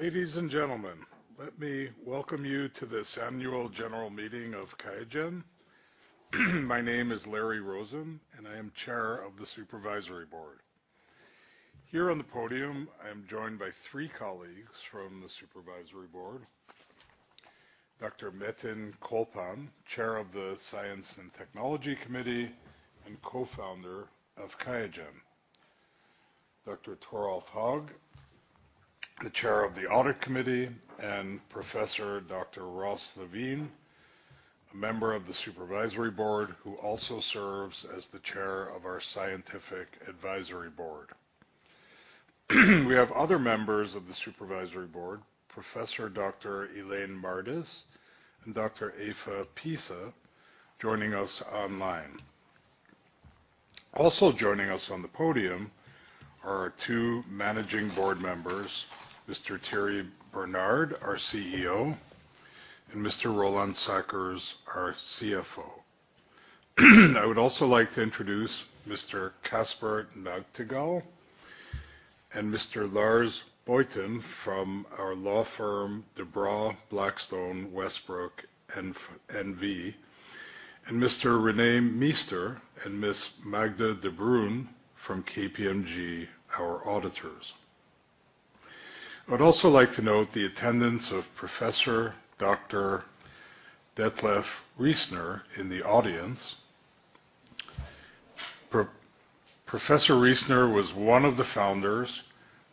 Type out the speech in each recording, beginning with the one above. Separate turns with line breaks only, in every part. Ladies and gentlemen, let me welcome you to this annual general meeting of QIAGEN. My name is Larry Rosen, and I am Chair of the Supervisory Board. Here on the podium, I am joined by three colleagues from the Supervisory Board: Dr. Metin Colpan, Chair of the Science and Technology Committee and Co-founder of QIAGEN; Dr. Toralf Haag, the Chair of the Audit Committee; and Professor Dr. Ross Levine, a member of the Supervisory Board who also serves as the Chair of our Scientific Advisory Board. We have other members of the Supervisory Board, Professor Dr. Elaine Mardis and Dr. Eva Pisa, joining us online. Also joining us on the podium are two managing board members: Mr. Thierry Bernard, our CEO, and Mr. Roland Sackers, our CFO. I would also like to introduce Mr. Casper Nagtegaal and Mr. Lars Buiten from our law firm, De Brauw Blackstone Westbroek N.V., and Mr. René Meester and Ms. Magda de Bruin from KPMG, our auditors. I would also like to note the attendance of Professor Dr. Detlev Riesner in the audience. Professor Riesner was one of the founders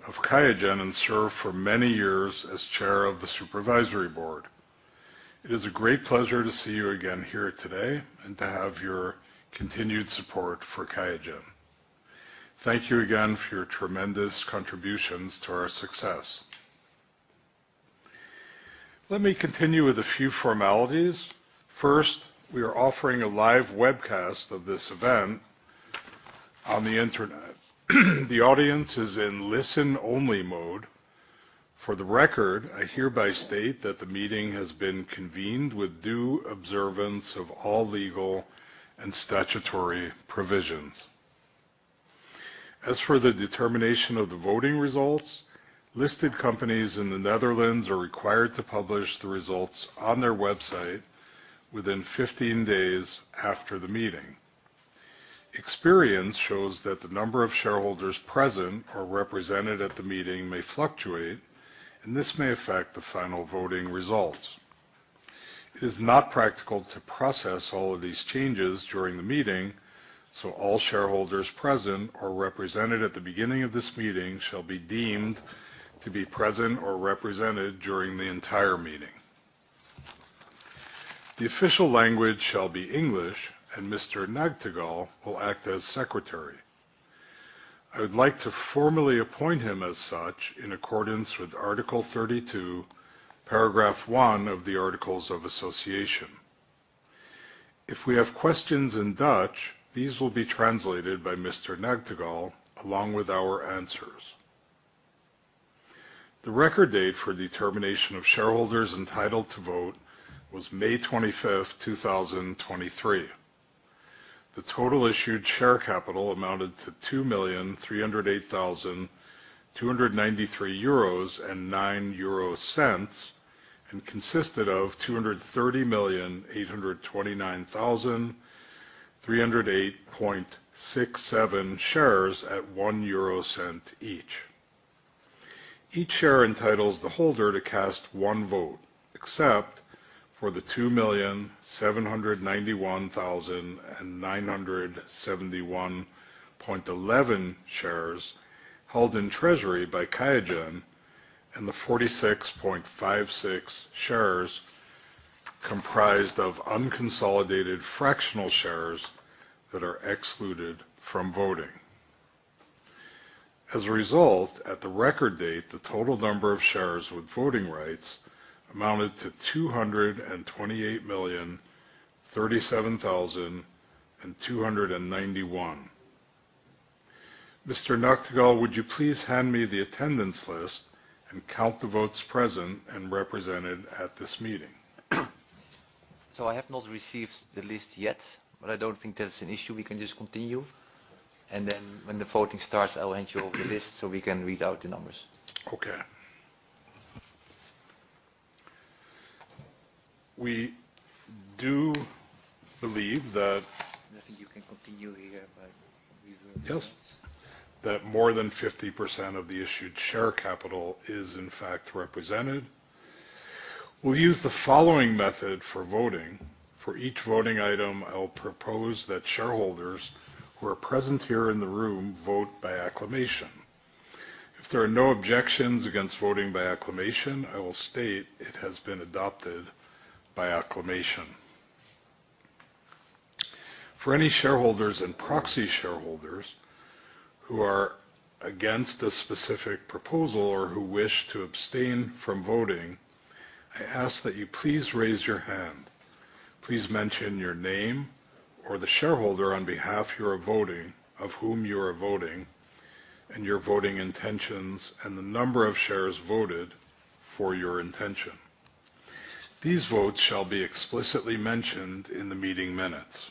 of QIAGEN and served for many years as chair of the Supervisory Board. It is a great pleasure to see you again here today and to have your continued support for QIAGEN. Thank you again for your tremendous contributions to our success. Let me continue with a few formalities. First, we are offering a live webcast of this event on the internet. The audience is in listen-only mode. For the record, I hereby state that the meeting has been convened with due observance of all legal and statutory provisions. As for the determination of the voting results, listed companies in the Netherlands are required to publish the results on their website within 15 days after the meeting. Experience shows that the number of shareholders present or represented at the meeting may fluctuate, and this may affect the final voting results. It is not practical to process all of these changes during the meeting, so all shareholders present or represented at the beginning of this meeting shall be deemed to be present or represented during the entire meeting. The official language shall be English, and Mr. Nagtegaal will act as secretary. I would like to formally appoint him as such in accordance with Article 32, paragraph 1 of the Articles of Association. If we have questions in Dutch, these will be translated by Mr. Nagtegaal along with our answers. The record date for determination of shareholders entitled to vote was May 25th, 2023. The total issued share capital amounted to 2,308,293.09 euros and consisted of 230,829,308.67 shares at 0.01 each. Each share entitles the holder to cast one vote, except for the 2,791,971.11 shares held in treasury by QIAGEN and the 46.56 shares comprised of unconsolidated fractional shares that are excluded from voting. As a result, at the record date, the total number of shares with voting rights amounted to 228,037,291. Mr. Nagtegaal, would you please hand me the attendance list and count the votes present and represented at this meeting?
I have not received the list yet, but I don't think that's an issue. We can just continue. When the voting starts, I'll hand you over the list so we can read out the numbers.
Okay. We do believe that.
I think you can continue here, but we've read the list.
Yes. That more than 50% of the issued share capital is, in fact, represented. We'll use the following method for voting. For each voting item, I'll propose that shareholders who are present here in the room vote by acclamation. If there are no objections against voting by acclamation, I will state it has been adopted by acclamation. For any shareholders and proxy shareholders who are against a specific proposal or who wish to abstain from voting, I ask that you please raise your hand. Please mention your name or the shareholder on behalf you are voting, of whom you are voting, and your voting intentions, and the number of shares voted for your intention. These votes shall be explicitly mentioned in the meeting minutes.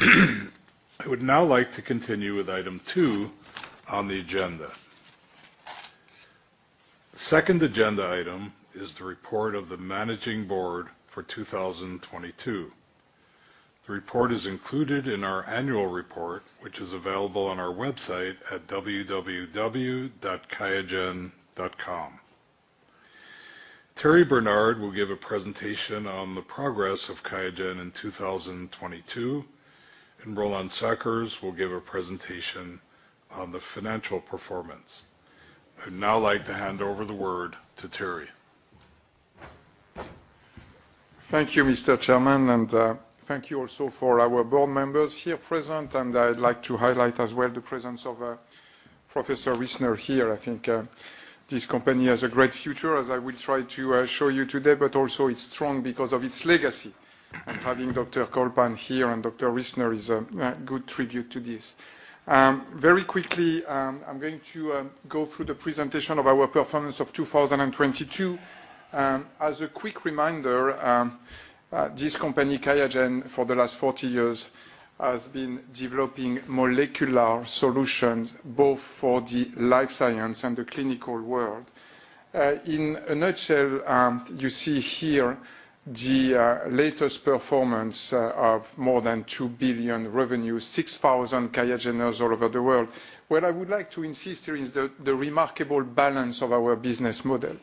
I would now like to continue with item two on the agenda. The second agenda item is the report of the Managing Board for 2022. The report is included in our annual report, which is available on our website at www.qiagen.com. Thierry Bernard will give a presentation on the progress of QIAGEN in 2022, and Roland Sackers will give a presentation on the financial performance. I'd now like to hand over the word to Thierry.
Thank you, Mr. Chairman, and thank you also for our board members here present. I'd like to highlight as well the presence of Professor Riesner here. I think this company has a great future, as I will try to show you today, but also it's strong because of its legacy. Having Dr. Colpan here and Dr. Riesner is a good tribute to this. Very quickly, I'm going to go through the presentation of our performance of 2022. As a quick reminder, this company, QIAGEN, for the last 40 years has been developing molecular solutions both for the life science and the clinical world. In a nutshell, you see here the latest performance of more than $2 billion revenue, 6,000 QIAGENers all over the world. What I would like to insist here is the remarkable balance of our business model.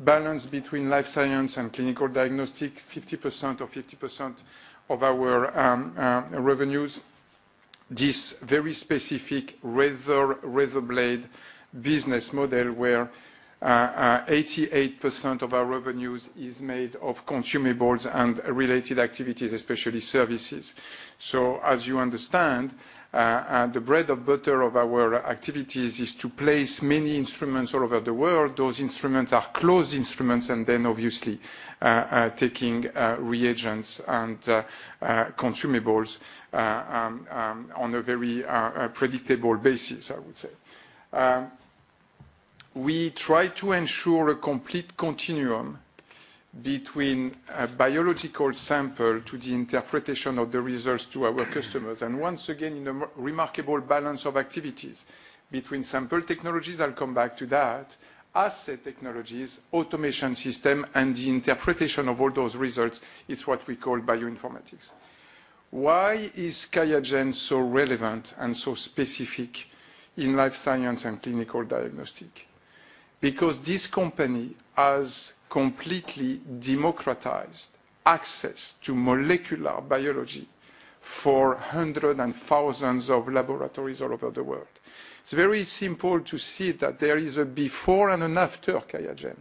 Balance between life sciences and clinical diagnostics, 50% or 50% of our revenues, this very specific razor-blade business model where 88% of our revenues is made of consumables and related activities, especially services. So, as you understand, the bread and butter of our activities is to place many instruments all over the world. Those instruments are closed instruments and then obviously taking reagents and consumables on a very predictable basis, I would say. We try to ensure a complete continuum between a biological sample to the interpretation of the results to our customers. And once again, in a remarkable balance of activities between sample technologies, I'll come back to that, assay technologies, automation system, and the interpretation of all those results, it's what we call bioinformatics. Why is QIAGEN so relevant and so specific in life sciences and clinical diagnostics? Because this company has completely democratized access to molecular biology for hundreds and thousands of laboratories all over the world. It's very simple to see that there is a before and an after QIAGEN.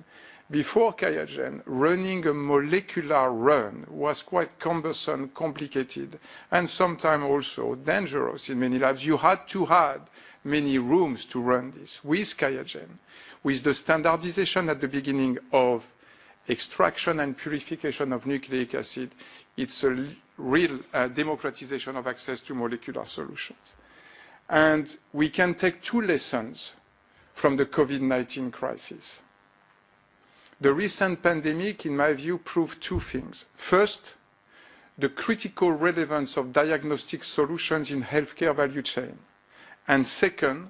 Before QIAGEN, running a molecular run was quite cumbersome, complicated, and sometimes also dangerous in many labs. You had to have many rooms to run this with QIAGEN. With the standardization at the beginning of extraction and purification of nucleic acid, it's a real democratization of access to molecular solutions, and we can take two lessons from the COVID-19 crisis. The recent pandemic, in my view, proved two things. First, the critical relevance of diagnostic solutions in healthcare value chain, and second,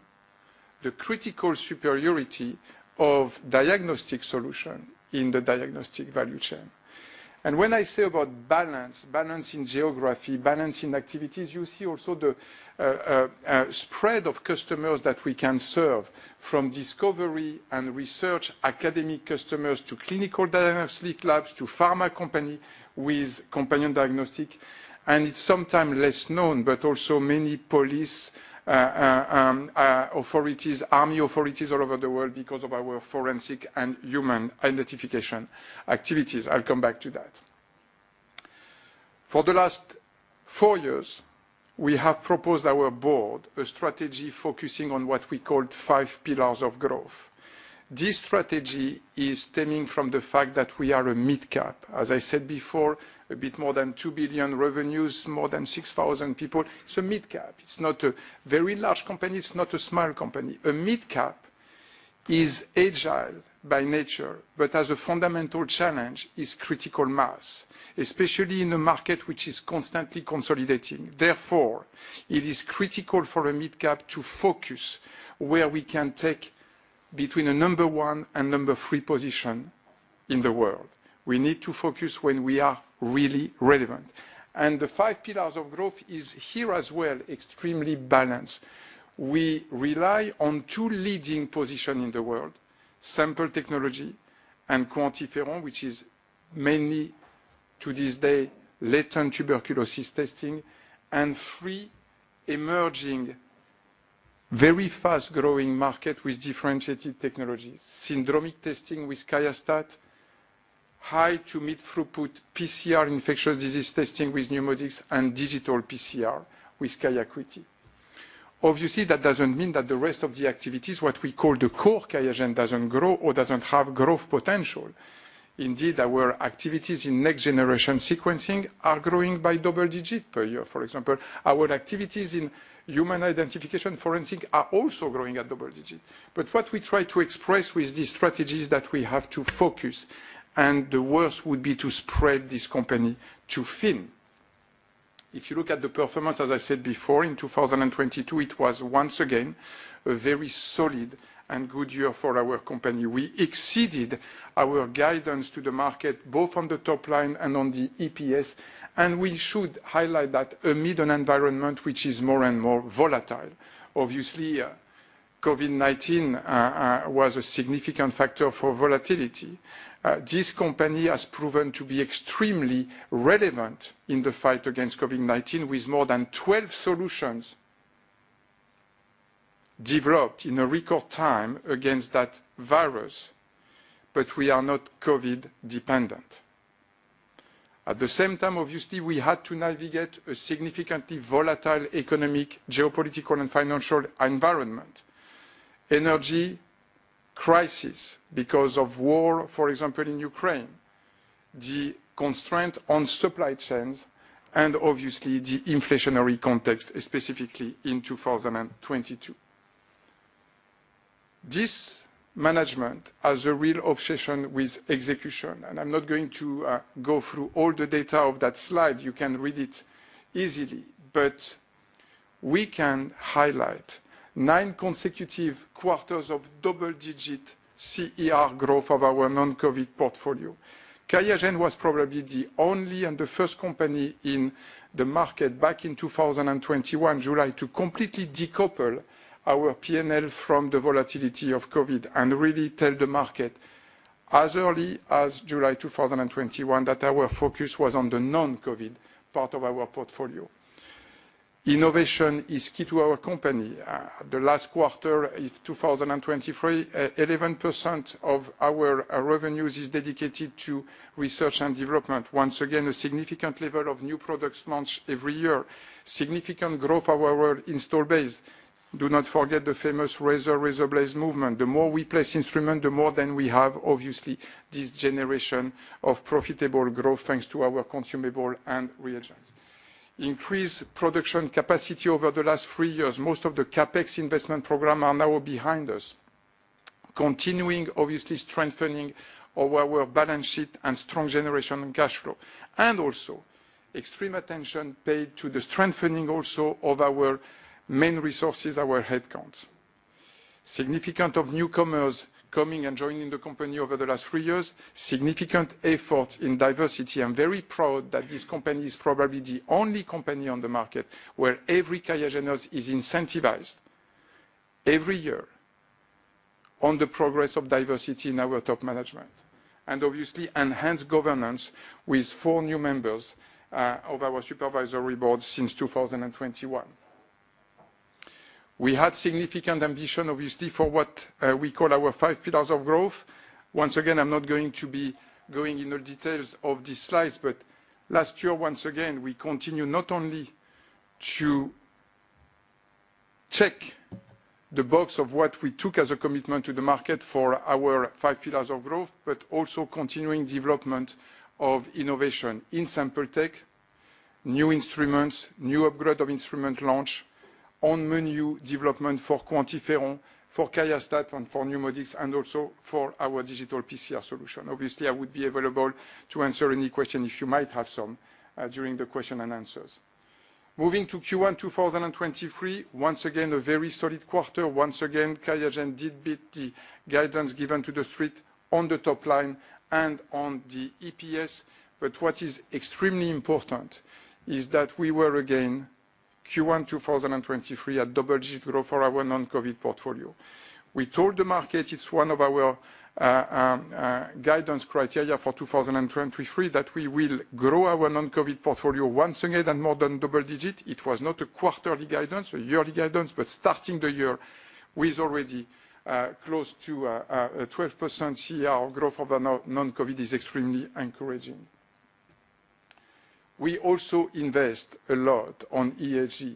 the critical superiority of diagnostic solutions in the diagnostic value chain. And when I say about balance, balance in geography, balance in activities, you see also the spread of customers that we can serve from discovery and research academic customers to clinical diagnostic labs to pharma companies with companion diagnostic. And it's sometimes less known, but also many police authorities, army authorities all over the world because of our forensic and human identification activities. I'll come back to that. For the last four years, we have proposed our board a strategy focusing on what we called five pillars of growth. This strategy is stemming from the fact that we are a mid-cap. As I said before, a bit more than $2 billion revenues, more than 6,000 people. It's a mid-cap. It's not a very large company. It's not a small company. A mid-cap is agile by nature, but has a fundamental challenge: critical mass, especially in a market which is constantly consolidating. Therefore, it is critical for a mid-cap to focus where we can take between a number one and number three position in the world. We need to focus when we are really relevant. And the five pillars of growth are here as well, extremely balanced. We rely on two leading positions in the world: sample technology and QuantiFERON, which is mainly to this day latent tuberculosis testing, and three emerging, very fast-growing markets with differentiated technologies: syndromic testing with QIAstat-Dx, high to mid-throughput PCR infectious disease testing with NeuMoDx, and digital PCR with QIAcuity. Obviously, that doesn't mean that the rest of the activities, what we call the core QIAGEN, doesn't grow or doesn't have growth potential. Indeed, our activities in next-generation sequencing are growing by double digits per year. For example, our activities in human identification forensics are also growing at double digits. But what we try to express with these strategies is that we have to focus, and the worst would be to spread this company too thin. If you look at the performance, as I said before, in 2022, it was once again a very solid and good year for our company. We exceeded our guidance to the market both on the top line and on the EPS. We should highlight that amid an environment which is more and more volatile. Obviously, COVID-19 was a significant factor for volatility. This company has proven to be extremely relevant in the fight against COVID-19 with more than 12 solutions developed in a record time against that virus. But we are not COVID-dependent. At the same time, obviously, we had to navigate a significantly volatile economic, geopolitical, and financial environment: energy crisis because of war, for example, in Ukraine, the constraint on supply chains, and obviously the inflationary context, specifically in 2022. This management has a real obsession with execution. And I'm not going to go through all the data of that slide. You can read it easily. But we can highlight nine consecutive quarters of double-digit CER growth of our non-COVID portfolio. QIAGEN was probably the only and the first company in the market back in July 2021 to completely decouple our P&L from the volatility of COVID and really tell the market as early as July 2021 that our focus was on the non-COVID part of our portfolio. Innovation is key to our company. The last quarter is 2023. 11% of our revenues is dedicated to research and development. Once again, a significant level of new products launched every year. Significant growth of our install base. Do not forget the famous razor-razor blade movement. The more we place instruments, the more than we have, obviously, this generation of profitable growth thanks to our consumables and reagents. Increased production capacity over the last three years. Most of the CapEx investment programs are now behind us. Continuing, obviously, strengthening our balance sheet and strong generation cash flow. And also extreme attention paid to the strengthening also of our main resources, our headcounts. Significant number of newcomers coming and joining the company over the last three years. Significant efforts in diversity. I'm very proud that this company is probably the only company on the market where every QIAGENer is incentivized every year on the progress of diversity in our top management. And obviously, enhanced governance with four new members of our Supervisory Board since 2021. We had significant ambition, obviously, for what we call our five pillars of growth. Once again, I'm not going to be going into details of these slides. But last year, once again, we continued not only to check the box of what we took as a commitment to the market for our five pillars of growth, but also continuing development of innovation in sample tech, new instruments, new upgrade of instrument launch, on menu development for QuantiFERON, for QIAstat, and for NeuMoDx, and also for our Digital PCR solution. Obviously, I would be available to answer any questions if you might have some during the questions and answers. Moving to Q1 2023, once again, a very solid quarter. Once again, QIAGEN did beat the guidance given to the street on the top line and on the EPS. But what is extremely important is that we were again Q1 2023 at double-digit growth for our non-COVID portfolio. We told the market it's one of our guidance criteria for 2023 that we will grow our non-COVID portfolio once again at more than double digits. It was not a quarterly guidance, a yearly guidance, but starting the year with already close to 12% CER growth of non-COVID is extremely encouraging. We also invest a lot on ESG.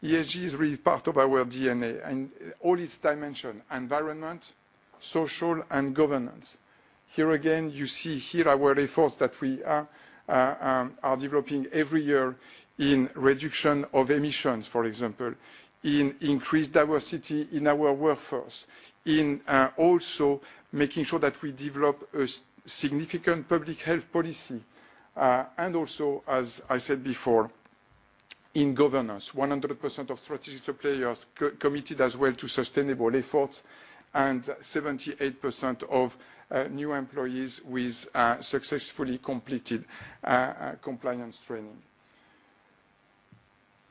ESG is really part of our DNA and all its dimensions: environment, social, and governance. Here again, you see here our efforts that we are developing every year in reduction of emissions, for example, in increased diversity in our workforce, in also making sure that we develop a significant public health policy. And also, as I said before, in governance, 100% of strategic players committed as well to sustainable efforts and 78% of new employees with successfully completed compliance training.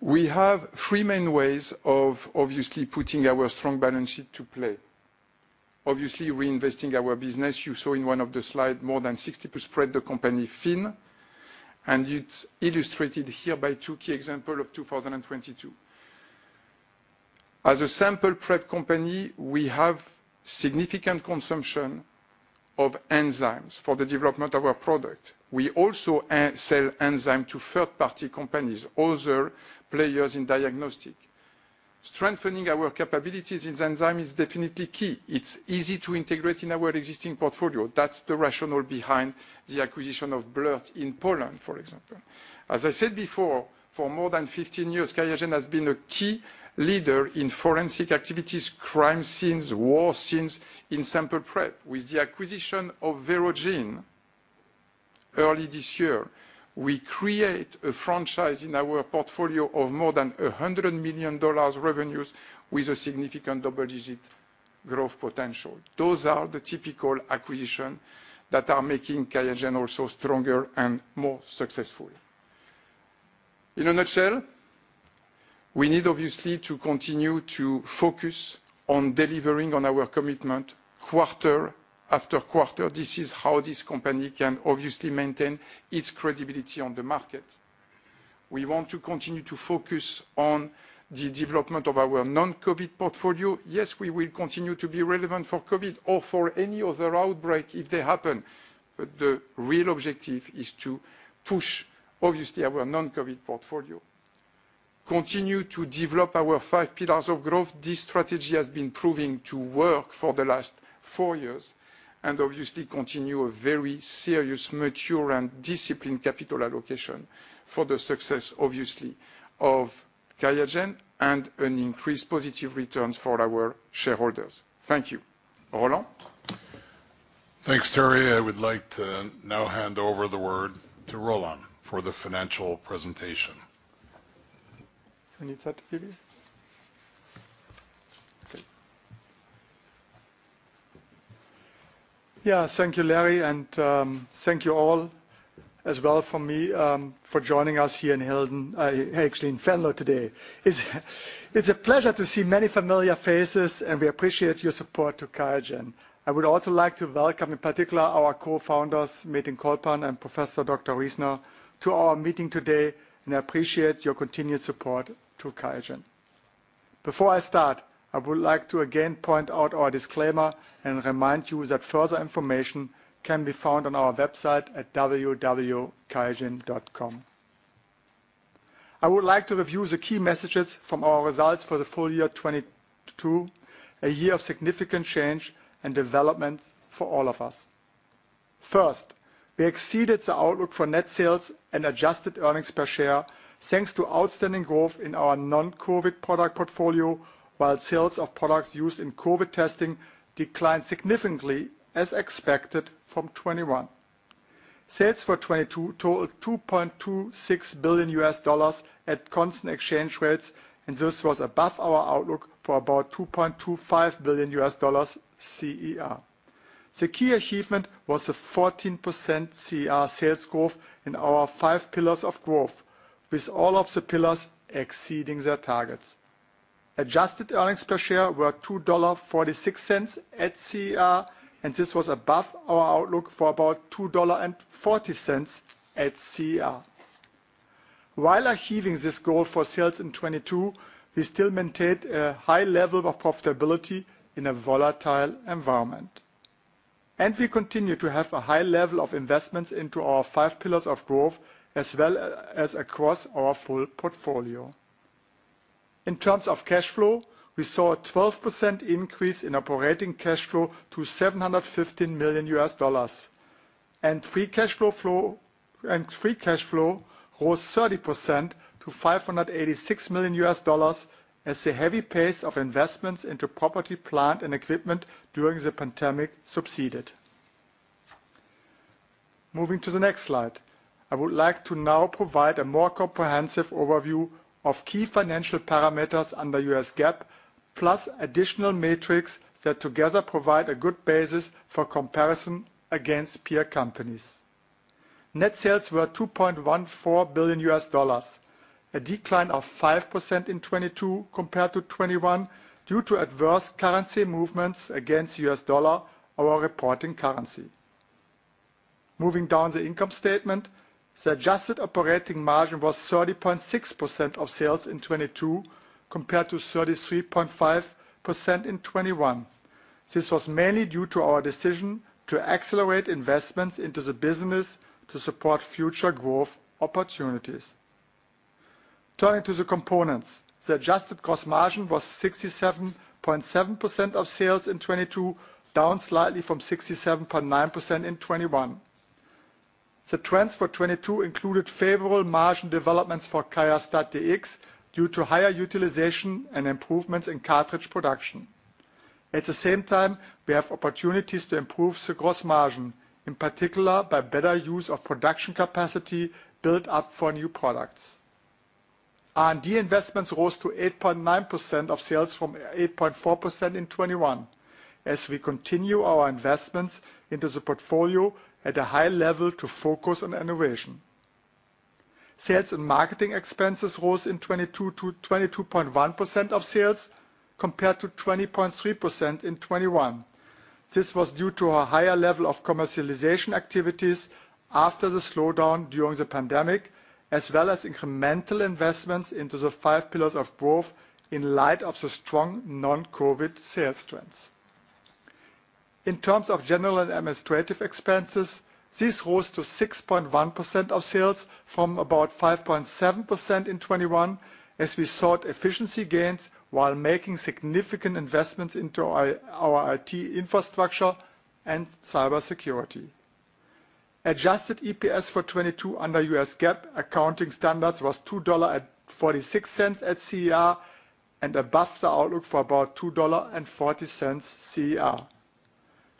We have three main ways of obviously putting our strong balance sheet to play. Obviously, reinvesting our business. You saw in one of the slides more than 60%. Spread the company thin. And it's illustrated here by two key examples of 2022. As a sample prep company, we have significant consumption of enzymes for the development of our product. We also sell enzymes to third-party companies, other players in diagnostics. Strengthening our capabilities in enzymes is definitely key. It's easy to integrate in our existing portfolio. That's the rationale behind the acquisition of BLIRT in Poland, for example. As I said before, for more than 15 years, QIAGEN has been a key leader in forensic activities, crime scenes, war scenes in sample prep. With the acquisition of Verogen early this year, we create a franchise in our portfolio of more than $100 million revenues with a significant double-digit growth potential. Those are the typical acquisitions that are making QIAGEN also stronger and more successful. In a nutshell, we need obviously to continue to focus on delivering on our commitment quarter after quarter. This is how this company can obviously maintain its credibility on the market. We want to continue to focus on the development of our non-COVID portfolio. Yes, we will continue to be relevant for COVID or for any other outbreak if they happen. But the real objective is to push, obviously, our non-COVID portfolio. Continue to develop our five pillars of growth. This strategy has been proving to work for the last four years, and obviously continue a very serious, mature, and disciplined capital allocation for the success, obviously, of QIAGEN and an increased positive returns for our shareholders. Thank you. Roland.
Thanks, Thierry. I would like to now hand over the word to Roland for the financial presentation.
Yeah, thank you, Larry, and thank you all as well for joining us here in Hilden, actually in Venlo today. It's a pleasure to see many familiar faces, and we appreciate your support to QIAGEN. I would also like to welcome in particular our Co-founders, Metin Colpan and Professor Dr. Riesner, to our meeting today, and I appreciate your continued support to QIAGEN. Before I start, I would like to again point out our disclaimer and remind you that further information can be found on our website at www.qiagen.com. I would like to review the key messages from our results for the full year 2022, a year of significant change and developments for all of us. First, we exceeded the outlook for net sales and adjusted earnings per share thanks to outstanding growth in our non-COVID product portfolio, while sales of products used in COVID testing declined significantly, as expected from 2021. Sales for 2022 totaled $2.26 billion at constant exchange rates, and this was above our outlook for about $2.25 billion CER. The key achievement was a 14% CER sales growth in our five pillars of growth, with all of the pillars exceeding their targets. Adjusted earnings per share were $2.46 at CER, and this was above our outlook for about $2.40 at CER. While achieving this goal for sales in 2022, we still maintained a high level of profitability in a volatile environment. We continue to have a high level of investments into our five pillars of growth as well as across our full portfolio. In terms of cash flow, we saw a 12% increase in operating cash flow to $715 million. And free cash flow rose 30% to $586 million as the heavy pace of investments into property, plant, and equipment during the pandemic subsided. Moving to the next slide, I would like to now provide a more comprehensive overview of key financial parameters under U.S. GAAP, plus additional metrics that together provide a good basis for comparison against peer companies. Net sales were $2.14 billion, a decline of 5% in 2022 compared to 2021 due to adverse currency movements against U.S. dollar, our reporting currency. Moving down the income statement, the adjusted operating margin was 30.6% of sales in 2022 compared to 33.5% in 2021. This was mainly due to our decision to accelerate investments into the business to support future growth opportunities. Turning to the components, the adjusted gross margin was 67.7% of sales in 2022, down slightly from 67.9% in 2021. The trends for 2022 included favorable margin developments for QIAstat-Dx due to higher utilization and improvements in cartridge production. At the same time, we have opportunities to improve the gross margin, in particular by better use of production capacity built up for new products. R&D investments rose to 8.9% of sales from 8.4% in 2021 as we continue our investments into the portfolio at a high level to focus on innovation. Sales and marketing expenses rose in 2022 to 22.1% of sales compared to 20.3% in 2021. This was due to a higher level of commercialization activities after the slowdown during the pandemic, as well as incremental investments into the five pillars of growth in light of the strong non-COVID sales trends. In terms of general and administrative expenses, these rose to 6.1% of sales from about 5.7% in 2021 as we saw efficiency gains while making significant investments into our IT infrastructure and cybersecurity. Adjusted EPS for 2022 under U.S. GAAP accounting standards was $2.46 at CER and above the outlook for about $2.40 CER.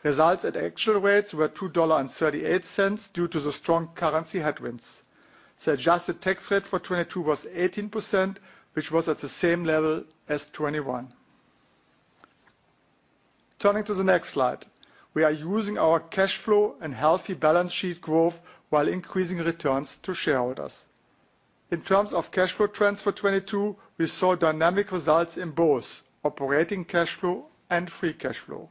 Results at actual rates were $2.38 due to the strong currency headwinds. The adjusted tax rate for 2022 was 18%, which was at the same level as 2021. Turning to the next slide, we are using our cash flow and healthy balance sheet growth while increasing returns to shareholders. In terms of cash flow trends for 2022, we saw dynamic results in both operating cash flow and free cash flow.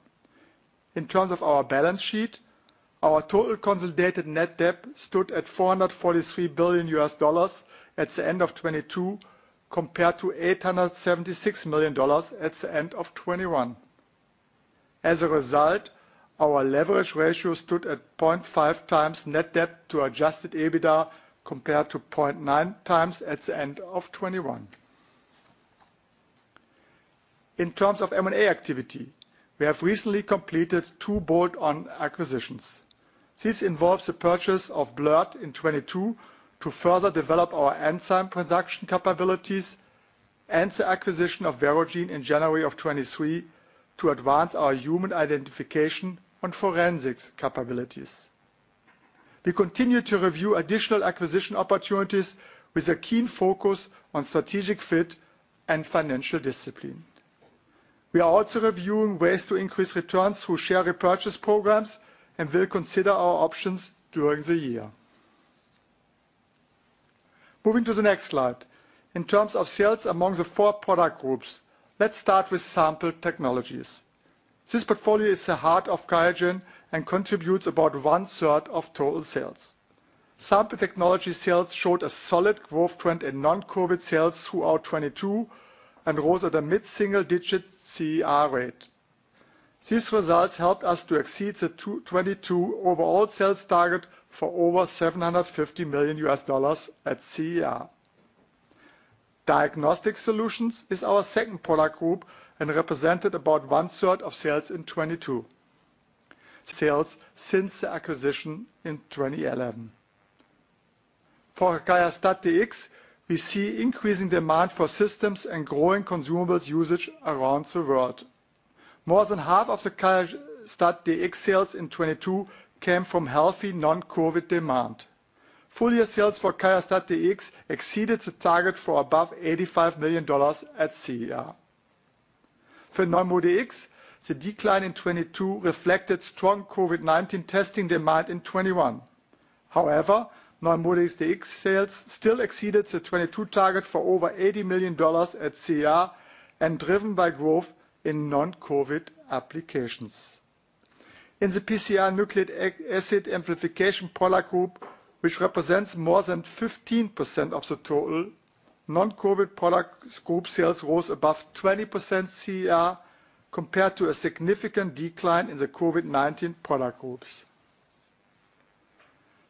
In terms of our balance sheet, our total consolidated net debt stood at $443 billion at the end of 2022 compared to $876 million at the end of 2021. As a result, our leverage ratio stood at 0.5x net debt to adjusted EBITDA compared to 0.9x at the end of 2021. In terms of M&A activity, we have recently completed two bolt-on acquisitions. This involves the purchase of BLIRT in 2022 to further develop our enzyme production capabilities and the acquisition of Verogen in January of 2023 to advance our human identification and forensics capabilities. We continue to review additional acquisition opportunities with a keen focus on strategic fit and financial discipline. We are also reviewing ways to increase returns through share repurchase programs and will consider our options during the year. Moving to the next slide, in terms of sales among the four product groups, let's start with sample technologies. This portfolio is the heart of QIAGEN and contributes about one-third of total sales. Sample technology sales showed a solid growth trend in non-COVID sales throughout 2022 and rose at a mid-single-digit CER rate. These results helped us to exceed the 2022 overall sales target for over $750 million at CER. Diagnostic solutions is our second product group and represented about one-third of sales in 2022. The sales since the acquisition in 2011. For QIAstat-Dx, we see increasing demand for systems and growing consumables usage around the world. More than half of the QIAstat-Dx sales in 2022 came from healthy non-COVID demand. Full-year sales for QIAstat-Dx exceeded the target for above $85 million at CER. For NeuMoDx, the decline in 2022 reflected strong COVID-19 testing demand in 2021. However, NeuMoDx sales still exceeded the 2022 target for over $80 million at CER and driven by growth in non-COVID applications. In the PCR nucleic acid amplification product group, which represents more than 15% of the total, non-COVID product group sales rose above 20% CER compared to a significant decline in the COVID-19 product groups.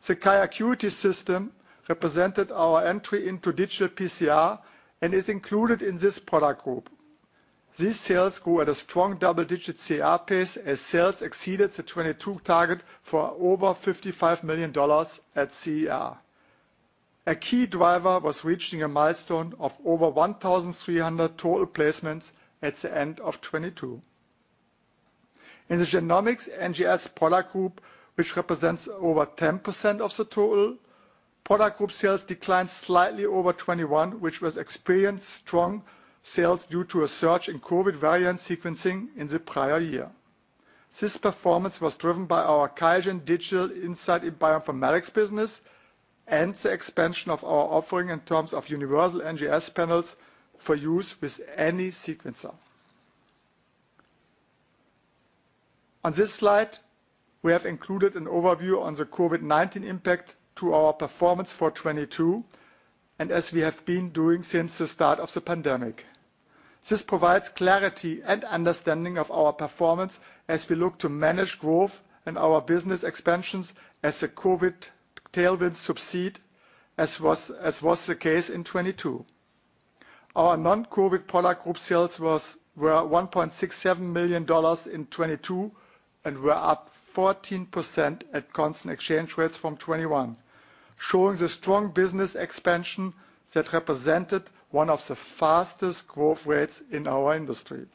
The QIAcuity system represented our entry into digital PCR and is included in this product group. These sales grew at a strong double-digit CER pace as sales exceeded the 2022 target for over $55 million at CER. A key driver was reaching a milestone of over 1,300 total placements at the end of 2022. In the Genomics NGS product group, which represents over 10% of the total, product group sales declined slightly over 2021, which experienced strong sales due to a surge in COVID variant sequencing in the prior year. This performance was driven by our QIAGEN Digital Insights in bioinformatics business and the expansion of our offering in terms of universal NGS panels for use with any sequencer. On this slide, we have included an overview on the COVID-19 impact to our performance for 2022 and as we have been doing since the start of the pandemic. This provides clarity and understanding of our performance as we look to manage growth and our business expansions as the COVID tailwinds subside, as was the case in 2022. Our non-COVID product group sales were $1.67 million in 2022 and were up 14% at constant exchange rates from 2021, showing the strong business expansion that represented one of the fastest growth rates in our industry.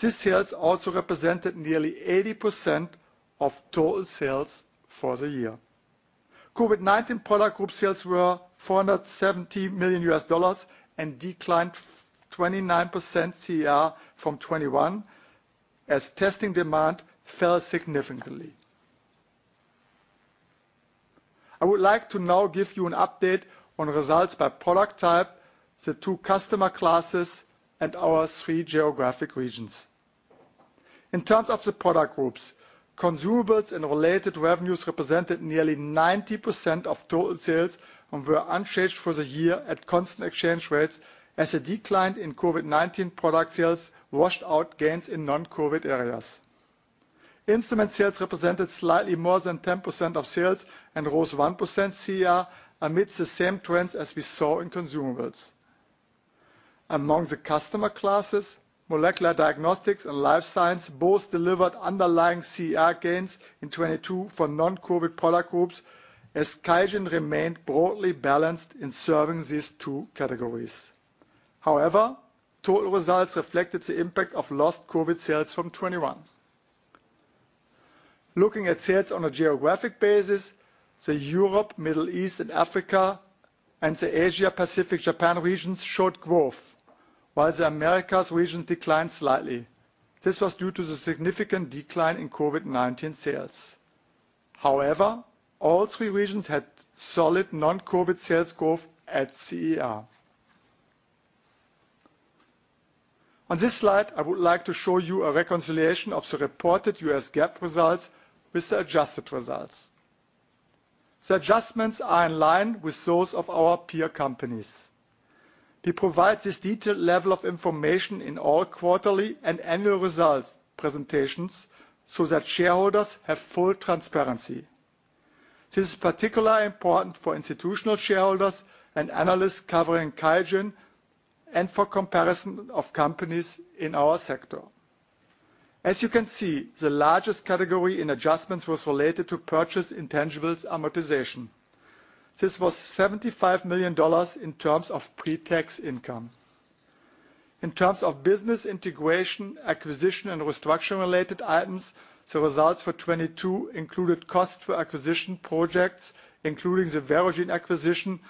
These sales also represented nearly 80% of total sales for the year. COVID-19 product group sales were $470 million and declined 29% CER from 2021 as testing demand fell significantly. I would like to now give you an update on results by product type, the two customer classes, and our three geographic regions. In terms of the product groups, consumables and related revenues represented nearly 90% of total sales and were unchanged for the year at constant exchange rates as the decline in COVID-19 product sales washed out gains in non-COVID areas. Instrument sales represented slightly more than 10% of sales and rose 1% CER amidst the same trends as we saw in consumables. Among the customer classes, molecular diagnostics and life science both delivered underlying CER gains in 2022 for non-COVID product groups as QIAGEN remained broadly balanced in serving these two categories. However, total results reflected the impact of lost COVID sales from 2021. Looking at sales on a geographic basis, the Europe, Middle East, and Africa, and the Asia-Pacific Japan regions showed growth, while the Americas regions declined slightly. This was due to the significant decline in COVID-19 sales. However, all three regions had solid non-COVID sales growth at CER. On this slide, I would like to show you a reconciliation of the reported U.S. GAAP results with the adjusted results. The adjustments are in line with those of our peer companies. We provide this detailed level of information in all quarterly and annual results presentations so that shareholders have full transparency. This is particularly important for institutional shareholders and analysts covering QIAGEN and for comparison of companies in our sector. As you can see, the largest category in adjustments was related to purchase intangibles amortization. This was $75 million in terms of pre-tax income. In terms of business integration, acquisition, and restructuring-related items, the results for 2022 included costs for acquisition projects, including the Verogen acquisition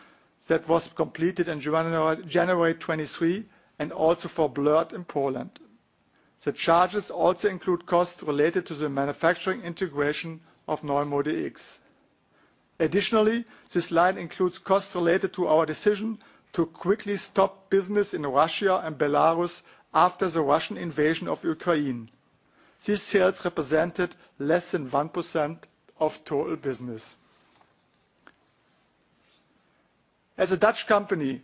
that was completed in January 2023 and also for BLIRT in Poland. The charges also include costs related to the manufacturing integration of NeuMoDx. Additionally, this line includes costs related to our decision to quickly stop business in Russia and Belarus after the Russian invasion of Ukraine. These sales represented less than 1% of total business. As a Dutch company,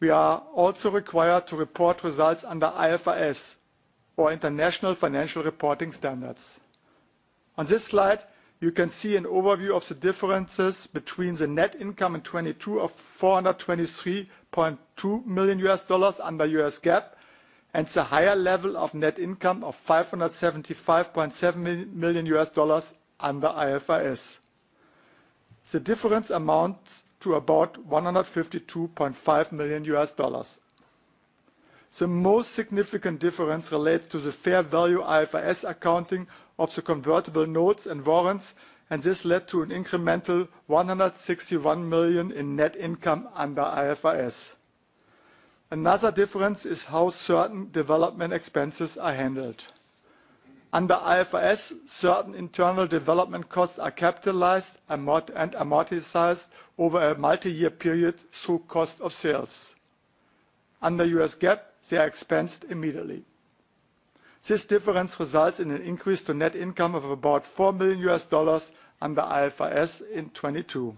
we are also required to report results under IFRS, or International Financial Reporting Standards. On this slide, you can see an overview of the differences between the net income in 2022 of $423.2 million under U.S. GAAP and the higher level of net income of $575.7 million under IFRS. The difference amounts to about $152.5 million. The most significant difference relates to the fair value IFRS accounting of the convertible notes and warrants, and this led to an incremental $161 million in net income under IFRS. Another difference is how certain development expenses are handled. Under IFRS, certain internal development costs are capitalized and amortized over a multi-year period through cost of sales. Under U.S. GAAP, they are expensed immediately. This difference results in an increase to net income of about $4 million under IFRS in 2022.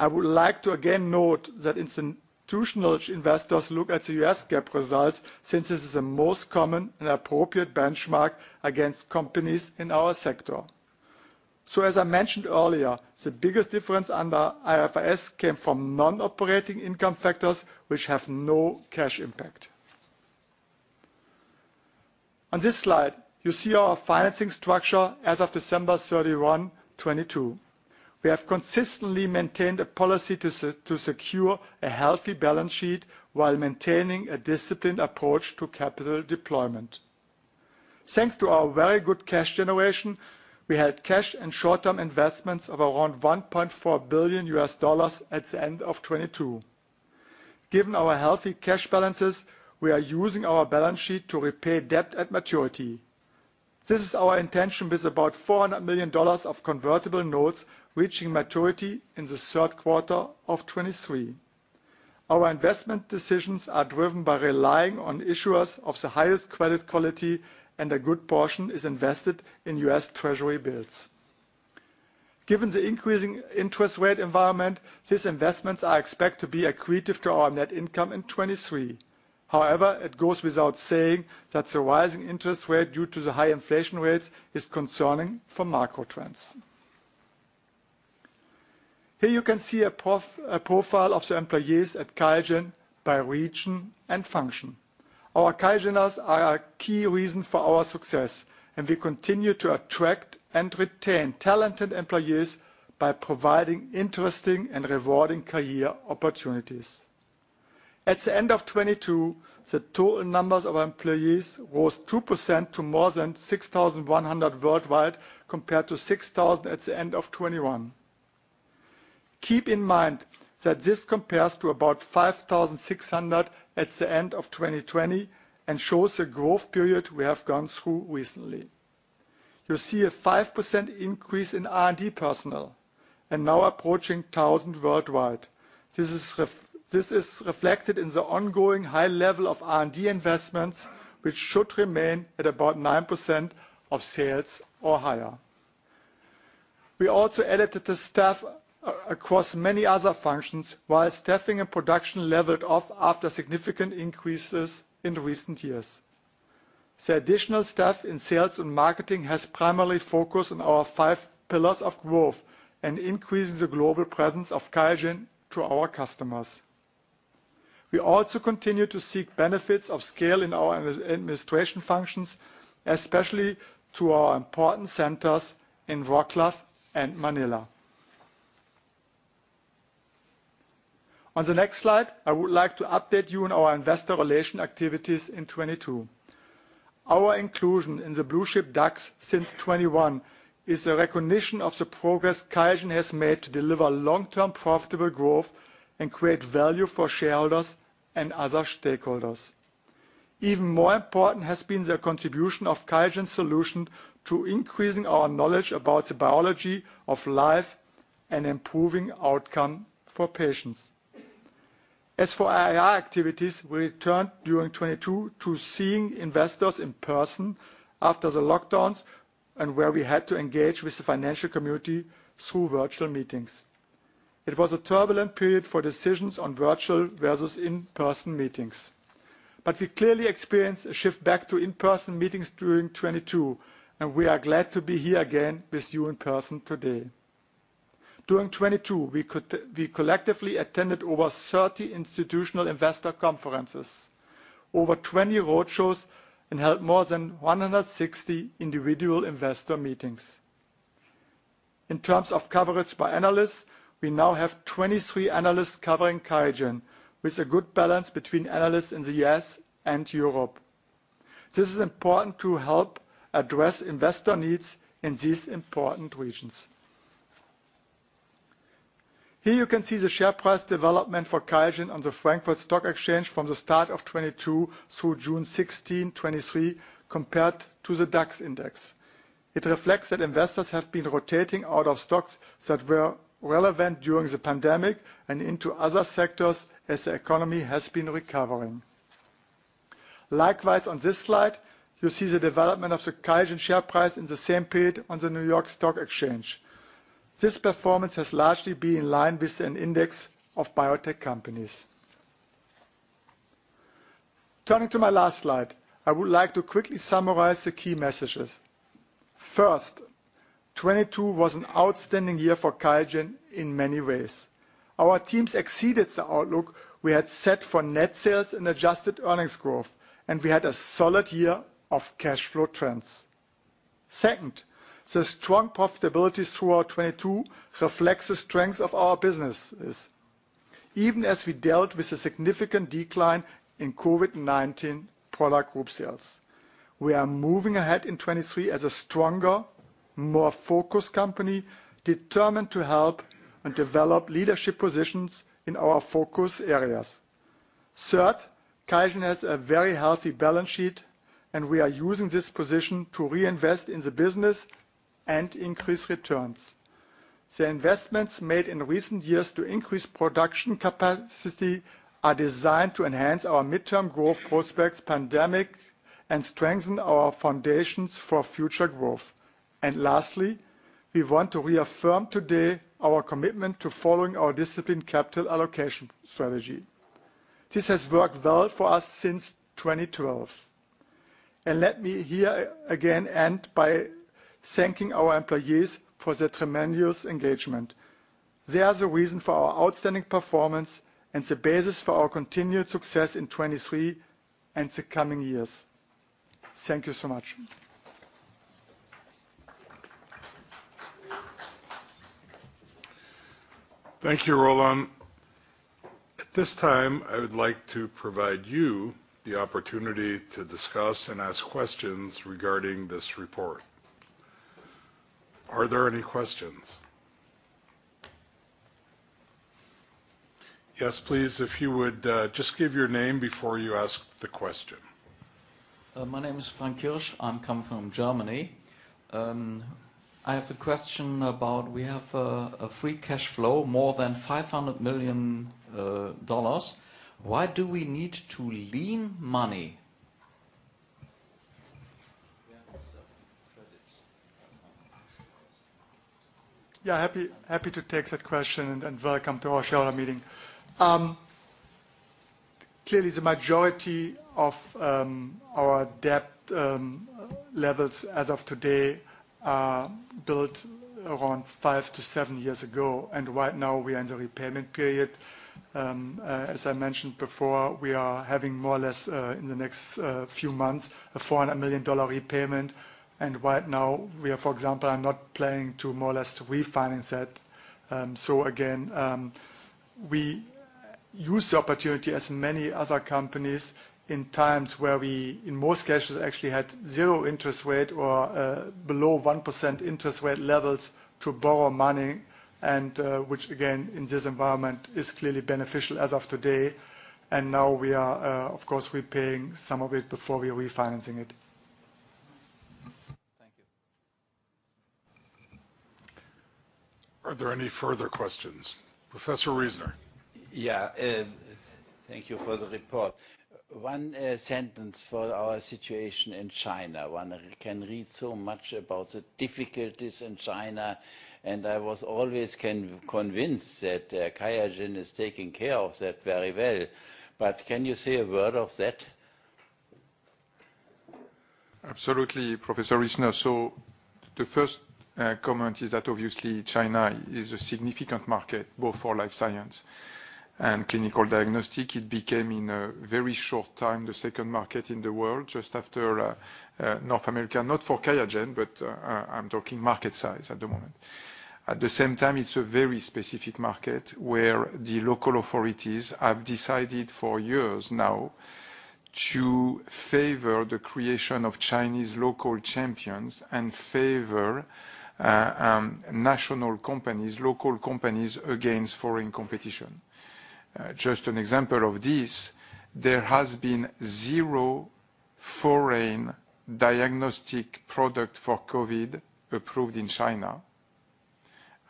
I would like to again note that institutional investors look at the U.S. GAAP results since this is the most common and appropriate benchmark against companies in our sector. So, as I mentioned earlier, the biggest difference under IFRS came from non-operating income factors, which have no cash impact. On this slide, you see our financing structure as of December 31, 2022. We have consistently maintained a policy to secure a healthy balance sheet while maintaining a disciplined approach to capital deployment. Thanks to our very good cash generation, we had cash and short-term investments of around $1.4 billion at the end of 2022. Given our healthy cash balances, we are using our balance sheet to repay debt at maturity. This is our intention with about $400 million of convertible notes reaching maturity in the third quarter of 2023. Our investment decisions are driven by relying on issuers of the highest credit quality, and a good portion is invested in US Treasury bills. Given the increasing interest rate environment, these investments are expected to be accretive to our net income in 2023. However, it goes without saying that the rising interest rate due to the high inflation rates is concerning for macro trends. Here you can see a profile of the employees at QIAGEN by region and function. Our QIAGENers are a key reason for our success, and we continue to attract and retain talented employees by providing interesting and rewarding career opportunities. At the end of 2022, the total numbers of employees rose 2% to more than 6,100 worldwide compared to 6,000 at the end of 2021. Keep in mind that this compares to about 5,600 at the end of 2020 and shows the growth period we have gone through recently. You see a 5% increase in R&D personnel and now approaching 1,000 worldwide. This is reflected in the ongoing high level of R&D investments, which should remain at about 9% of sales or higher. We also added the staff across many other functions, while staffing and production leveled off after significant increases in recent years. The additional staff in sales and marketing has primarily focused on our five pillars of growth and increasing the global presence of QIAGEN to our customers. We also continue to seek benefits of scale in our administration functions, especially to our important centers in Wrocław and Manila. On the next slide, I would like to update you on our investor relations activities in 2022. Our inclusion in the blue-chip DAX since 2021 is a recognition of the progress QIAGEN has made to deliver long-term profitable growth and create value for shareholders and other stakeholders. Even more important has been the contribution of QIAGEN's solution to increasing our knowledge about the biology of life and improving outcome for patients. As for our IR activities, we returned during 2022 to seeing investors in person after the lockdowns and where we had to engage with the financial community through virtual meetings. It was a turbulent period for decisions on virtual versus in-person meetings, but we clearly experienced a shift back to in-person meetings during 2022, and we are glad to be here again with you in person today. During 2022, we collectively attended over 30 institutional investor conferences, over 20 roadshows, and held more than 160 individual investor meetings. In terms of coverage by analysts, we now have 23 analysts covering QIAGEN, with a good balance between analysts in the U.S. and Europe. This is important to help address investor needs in these important regions. Here you can see the share price development for QIAGEN on the Frankfurt Stock Exchange from the start of 2022 through June 16, 2023, compared to the DAX index. It reflects that investors have been rotating out of stocks that were relevant during the pandemic and into other sectors as the economy has been recovering. Likewise, on this slide, you see the development of the QIAGEN share price in the same period on the New York Stock Exchange. This performance has largely been in line with an index of biotech companies. Turning to my last slide, I would like to quickly summarize the key messages. First, 2022 was an outstanding year for QIAGEN in many ways. Our teams exceeded the outlook we had set for net sales and adjusted earnings growth, and we had a solid year of cash flow trends. Second, the strong profitability throughout 2022 reflects the strengths of our businesses. Even as we dealt with a significant decline in COVID-19 product group sales, we are moving ahead in 2023 as a stronger, more focused company determined to help and develop leadership positions in our focus areas. Third, QIAGEN has a very healthy balance sheet, and we are using this position to reinvest in the business and increase returns. The investments made in recent years to increase production capacity are designed to enhance our midterm growth prospects post-pandemic and strengthen our foundations for future growth. And lastly, we want to reaffirm today our commitment to following our disciplined capital allocation strategy. This has worked well for us since 2012. And let me here again end by thanking our employees for their tremendous engagement. They are the reason for our outstanding performance and the basis for our continued success in 2023 and the coming years. Thank you so much.
Thank you, Roland. At this time, I would like to provide you the opportunity to discuss and ask questions regarding this report. Are there any questions? Yes, please, if you would just give your name before you ask the question. My name is Frank Kirsch. I'm coming from Germany. I have a question about we have a free cash flow more than $500 million. Why do we need to loan money?
Yeah, happy to take that question and welcome to our shareholder meeting. Clearly, the majority of our debt levels as of today are built around five to seven years ago. Right now, we are in the repayment period. As I mentioned before, we are having more or less in the next few months a $400 million repayment. Right now, we are, for example, not planning to more or less refinance that. Again, we use the opportunity as many other companies in times where we, in most cases, actually had zero interest rate or below 1% interest rate levels to borrow money, which again, in this environment, is clearly beneficial as of today. Now we are, of course, repaying some of it before we are refinancing it.
Thank you. Are there any further questions? Professor Riesner.
Yeah, thank you for the report. One sentence for our situation in China. One can read so much about the difficulties in China, and I was always convinced that QIAGEN is taking care of that very well. But can you say a word of that?
Absolutely, Professor Riesner. So the first comment is that obviously China is a significant market, both for life science and clinical diagnostic. It became in a very short time the second market in the world, just after North America, not for QIAGEN, but I'm talking market size at the moment. At the same time, it's a very specific market where the local authorities have decided for years now to favor the creation of Chinese local champions and favor national companies, local companies against foreign competition. Just an example of this, there has been zero foreign diagnostic product for COVID approved in China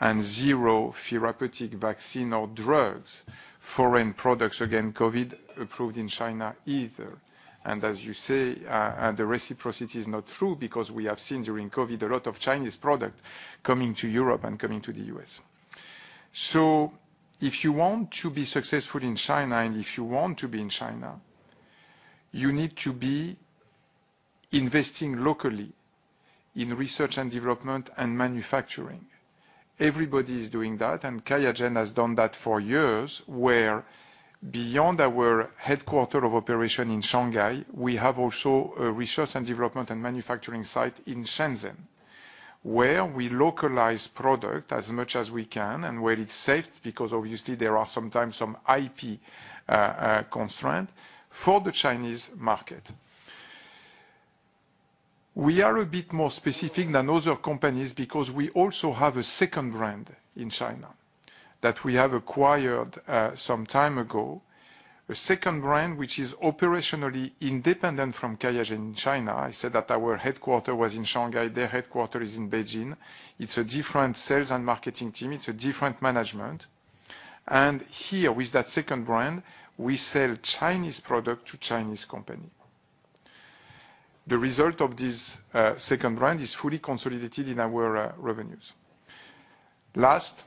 and zero therapeutic vaccine or drugs, foreign products, again, COVID approved in China either. And as you say, the reciprocity is not true because we have seen during COVID a lot of Chinese product coming to Europe and coming to the U.S. So if you want to be successful in China and if you want to be in China, you need to be investing locally in research and development and manufacturing. Everybody is doing that, and QIAGEN has done that for years, where beyond our headquarters of operation in Shanghai, we have also a research and development and manufacturing site in Shenzhen, where we localize product as much as we can and where it's safe because obviously there are sometimes some IP constraints for the Chinese market. We are a bit more specific than other companies because we also have a second brand in China that we have acquired some time ago, a second brand which is operationally independent from QIAGEN in China. I said that our headquarters was in Shanghai. Their headquarters is in Beijing. It's a different sales and marketing team. It's a different management. And here with that second brand, we sell Chinese product to Chinese company. The result of this second brand is fully consolidated in our revenues. Last,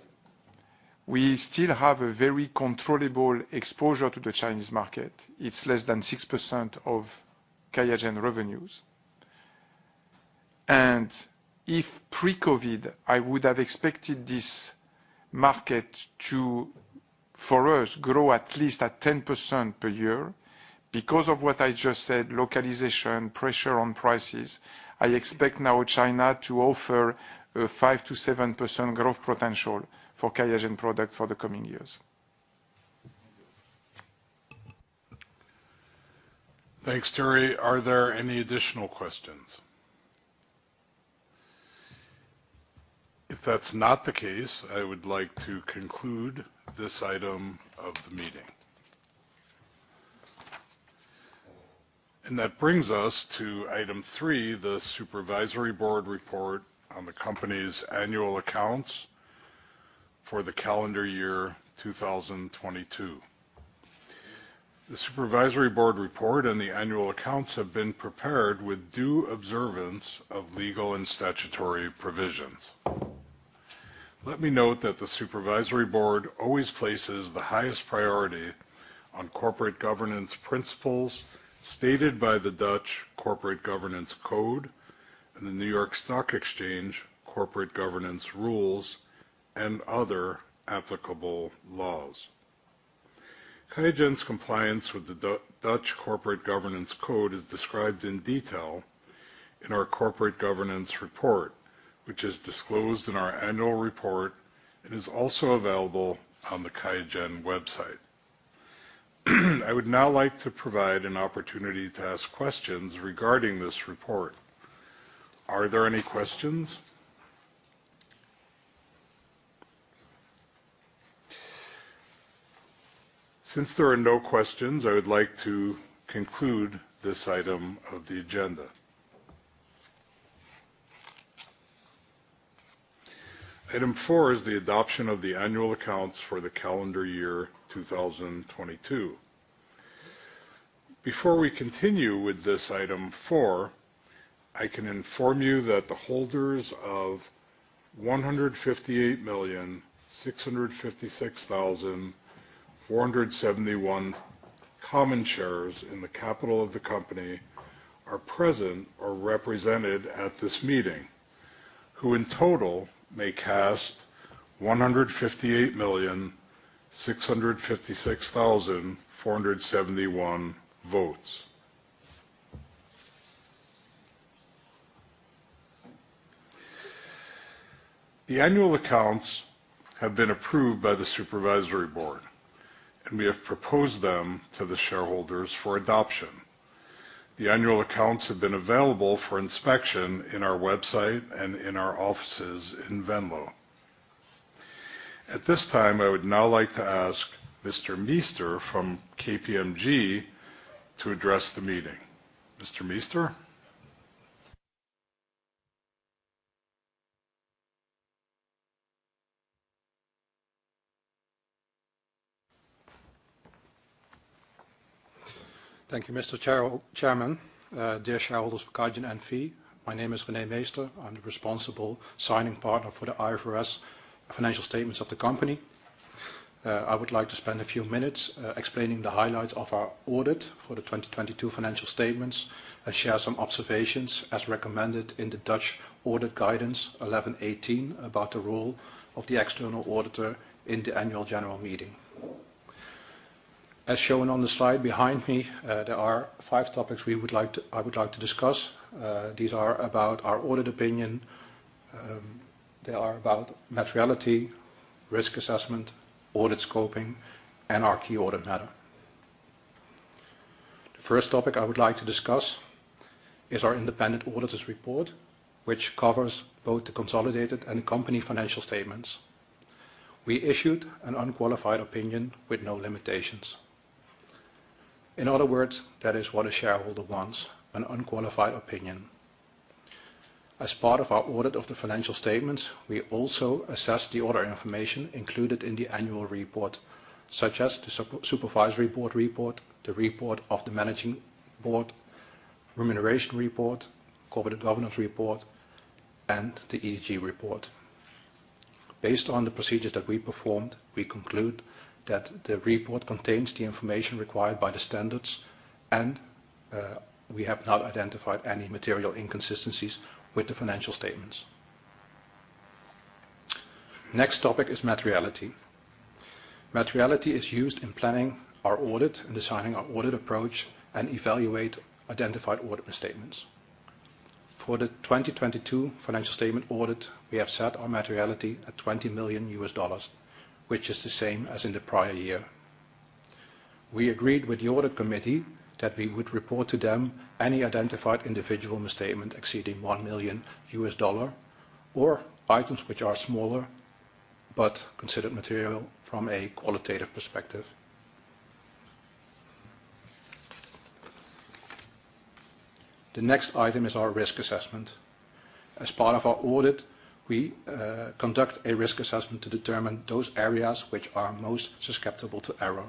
we still have a very controllable exposure to the Chinese market. It's less than 6% of QIAGEN revenues, and if pre-COVID, I would have expected this market to, for us, grow at least at 10% per year because of what I just said, localization, pressure on prices. I expect now China to offer a 5%-7% growth potential for QIAGEN product for the coming years.
Thanks, Thierry. Are there any additional questions? If that's not the case, I would like to conclude this item of the meeting. That brings us to item three, the supervisory board report on the company's annual accounts for the calendar year 2022. The supervisory board report and the annual accounts have been prepared with due observance of legal and statutory provisions. Let me note that the supervisory board always places the highest priority on corporate governance principles stated by the Dutch Corporate Governance Code and the New York Stock Exchange Corporate Governance Rules and other applicable laws. QIAGEN's compliance with the Dutch Corporate Governance Code is described in detail in our corporate governance report, which is disclosed in our annual report and is also available on the QIAGEN website. I would now like to provide an opportunity to ask questions regarding this report. Are there any questions? Since there are no questions, I would like to conclude this item of the agenda. Item four is the adoption of the annual accounts for the calendar year 2022. Before we continue with this item four, I can inform you that the holders of 158,656,471 common shares in the capital of the company are present or represented at this meeting, who in total may cast 158,656,471 votes. The annual accounts have been approved by the supervisory board, and we have proposed them to the shareholders for adoption. The annual accounts have been available for inspection on our website and in our offices in Venlo. At this time, I would now like to ask Mr. Meester from KPMG to address the meeting. Mr. Meester?
Thank you, Mr. Chairman. Dear shareholders of QIAGEN N.V., my name is René Meester. I'm the responsible signing partner for the IFRS financial statements of the company. I would like to spend a few minutes explaining the highlights of our audit for the 2022 financial statements and share some observations as recommended in the Dutch audit guidance 1118 about the role of the external auditor in the annual general meeting. As shown on the slide behind me, there are five topics we would like to discuss. These are about our audit opinion, they are about materiality risk assessment, audit scoping, and our key audit matter. The first topic I would like to discuss is our independent auditor's report, which covers both the consolidated and the company financial statements. We issued an unqualified opinion with no limitations. In other words, that is what a shareholder wants, an unqualified opinion. As part of our audit of the financial statements, we also assess the other information included in the annual report, such as the supervisory board report, the report of the managing board, remuneration report, corporate governance report, and the ESG report. Based on the procedures that we performed, we conclude that the report contains the information required by the standards, and we have not identified any material inconsistencies with the financial statements. Next topic is materiality. Materiality is used in planning our audit and designing our audit approach and evaluate identified audit misstatements. For the 2022 financial statement audit, we have set our materiality at $20 million, which is the same as in the prior year. We agreed with the audit committee that we would report to them any identified individual misstatement exceeding $1 million or items which are smaller but considered material from a qualitative perspective. The next item is our risk assessment. As part of our audit, we conduct a risk assessment to determine those areas which are most susceptible to error.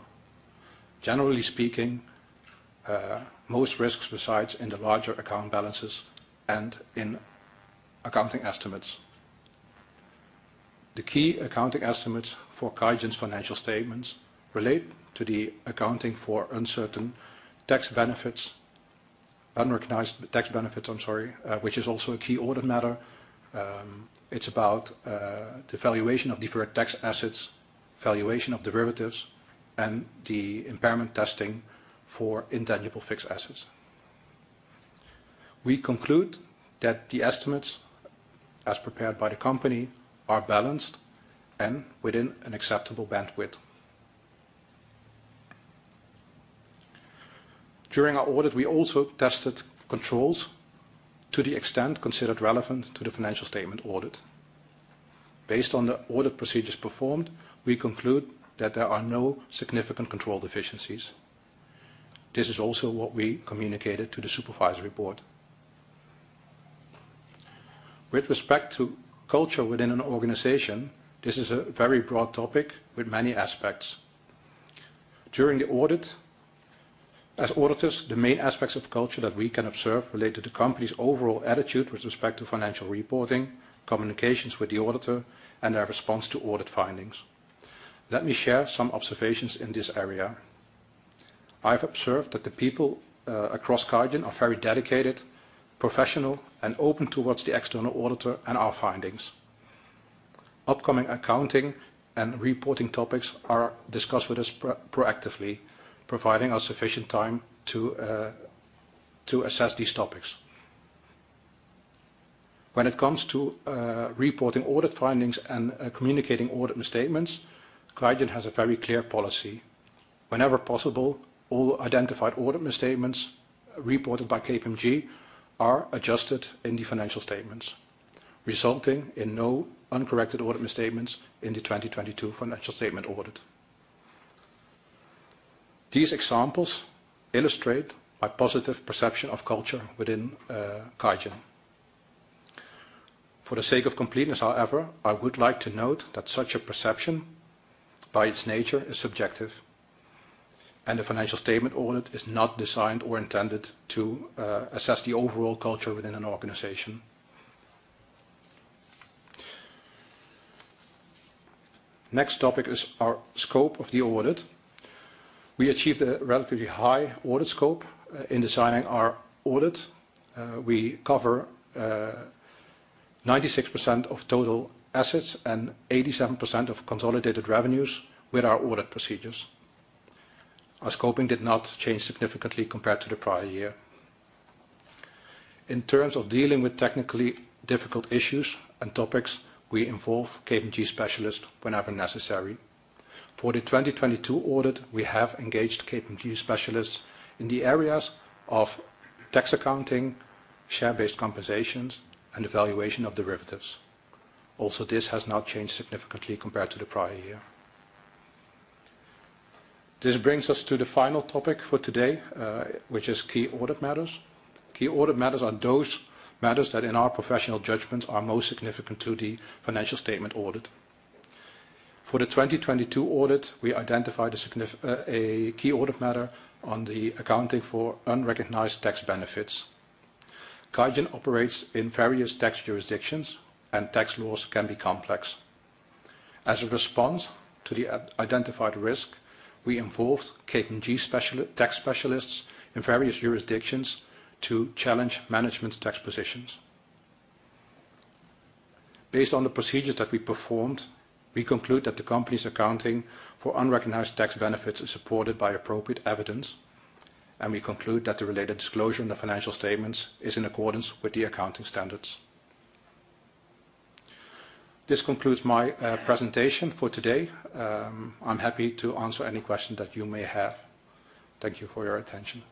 Generally speaking, most risks reside in the larger account balances and in accounting estimates. The key accounting estimates for QIAGEN's financial statements relate to the accounting for uncertain tax benefits, unrecognized tax benefits, I'm sorry, which is also a key audit matter. It's about the valuation of deferred tax assets, valuation of derivatives, and the impairment testing for intangible fixed assets. We conclude that the estimates as prepared by the company are balanced and within an acceptable bandwidth. During our audit, we also tested controls to the extent considered relevant to the financial statement audit. Based on the audit procedures performed, we conclude that there are no significant control deficiencies. This is also what we communicated to the Supervisory Board. With respect to culture within an organization, this is a very broad topic with many aspects. During the audit, as auditors, the main aspects of culture that we can observe relate to the company's overall attitude with respect to financial reporting, communications with the auditor, and their response to audit findings. Let me share some observations in this area. I've observed that the people across QIAGEN are very dedicated, professional, and open towards the external auditor and our findings. Upcoming accounting and reporting topics are discussed with us proactively, providing us sufficient time to assess these topics. When it comes to reporting audit findings and communicating audit misstatements, QIAGEN has a very clear policy. Whenever possible, all identified audit misstatements reported by KPMG are adjusted in the financial statements, resulting in no uncorrected audit misstatements in the 2022 financial statement audit. These examples illustrate my positive perception of culture within QIAGEN. For the sake of completeness, however, I would like to note that such a perception, by its nature, is subjective, and the financial statement audit is not designed or intended to assess the overall culture within an organization. Next topic is our scope of the audit. We achieved a relatively high audit scope in designing our audit. We cover 96% of total assets and 87% of consolidated revenues with our audit procedures. Our scoping did not change significantly compared to the prior year. In terms of dealing with technically difficult issues and topics, we involve KPMG specialists whenever necessary. For the 2022 audit, we have engaged KPMG specialists in the areas of tax accounting, share-based compensations, and evaluation of derivatives. Also, this has not changed significantly compared to the prior year. This brings us to the final topic for today, which is key audit matters. Key audit matters are those matters that, in our professional judgment, are most significant to the financial statement audit. For the 2022 audit, we identified a key audit matter on the accounting for unrecognized tax benefits. QIAGEN operates in various tax jurisdictions, and tax laws can be complex. As a response to the identified risk, we involved KPMG tax specialists in various jurisdictions to challenge management's tax positions. Based on the procedures that we performed, we conclude that the company's accounting for unrecognized tax benefits is supported by appropriate evidence, and we conclude that the related disclosure in the financial statements is in accordance with the accounting standards. This concludes my presentation for today. I'm happy to answer any questions that you may have. Thank you for your attention.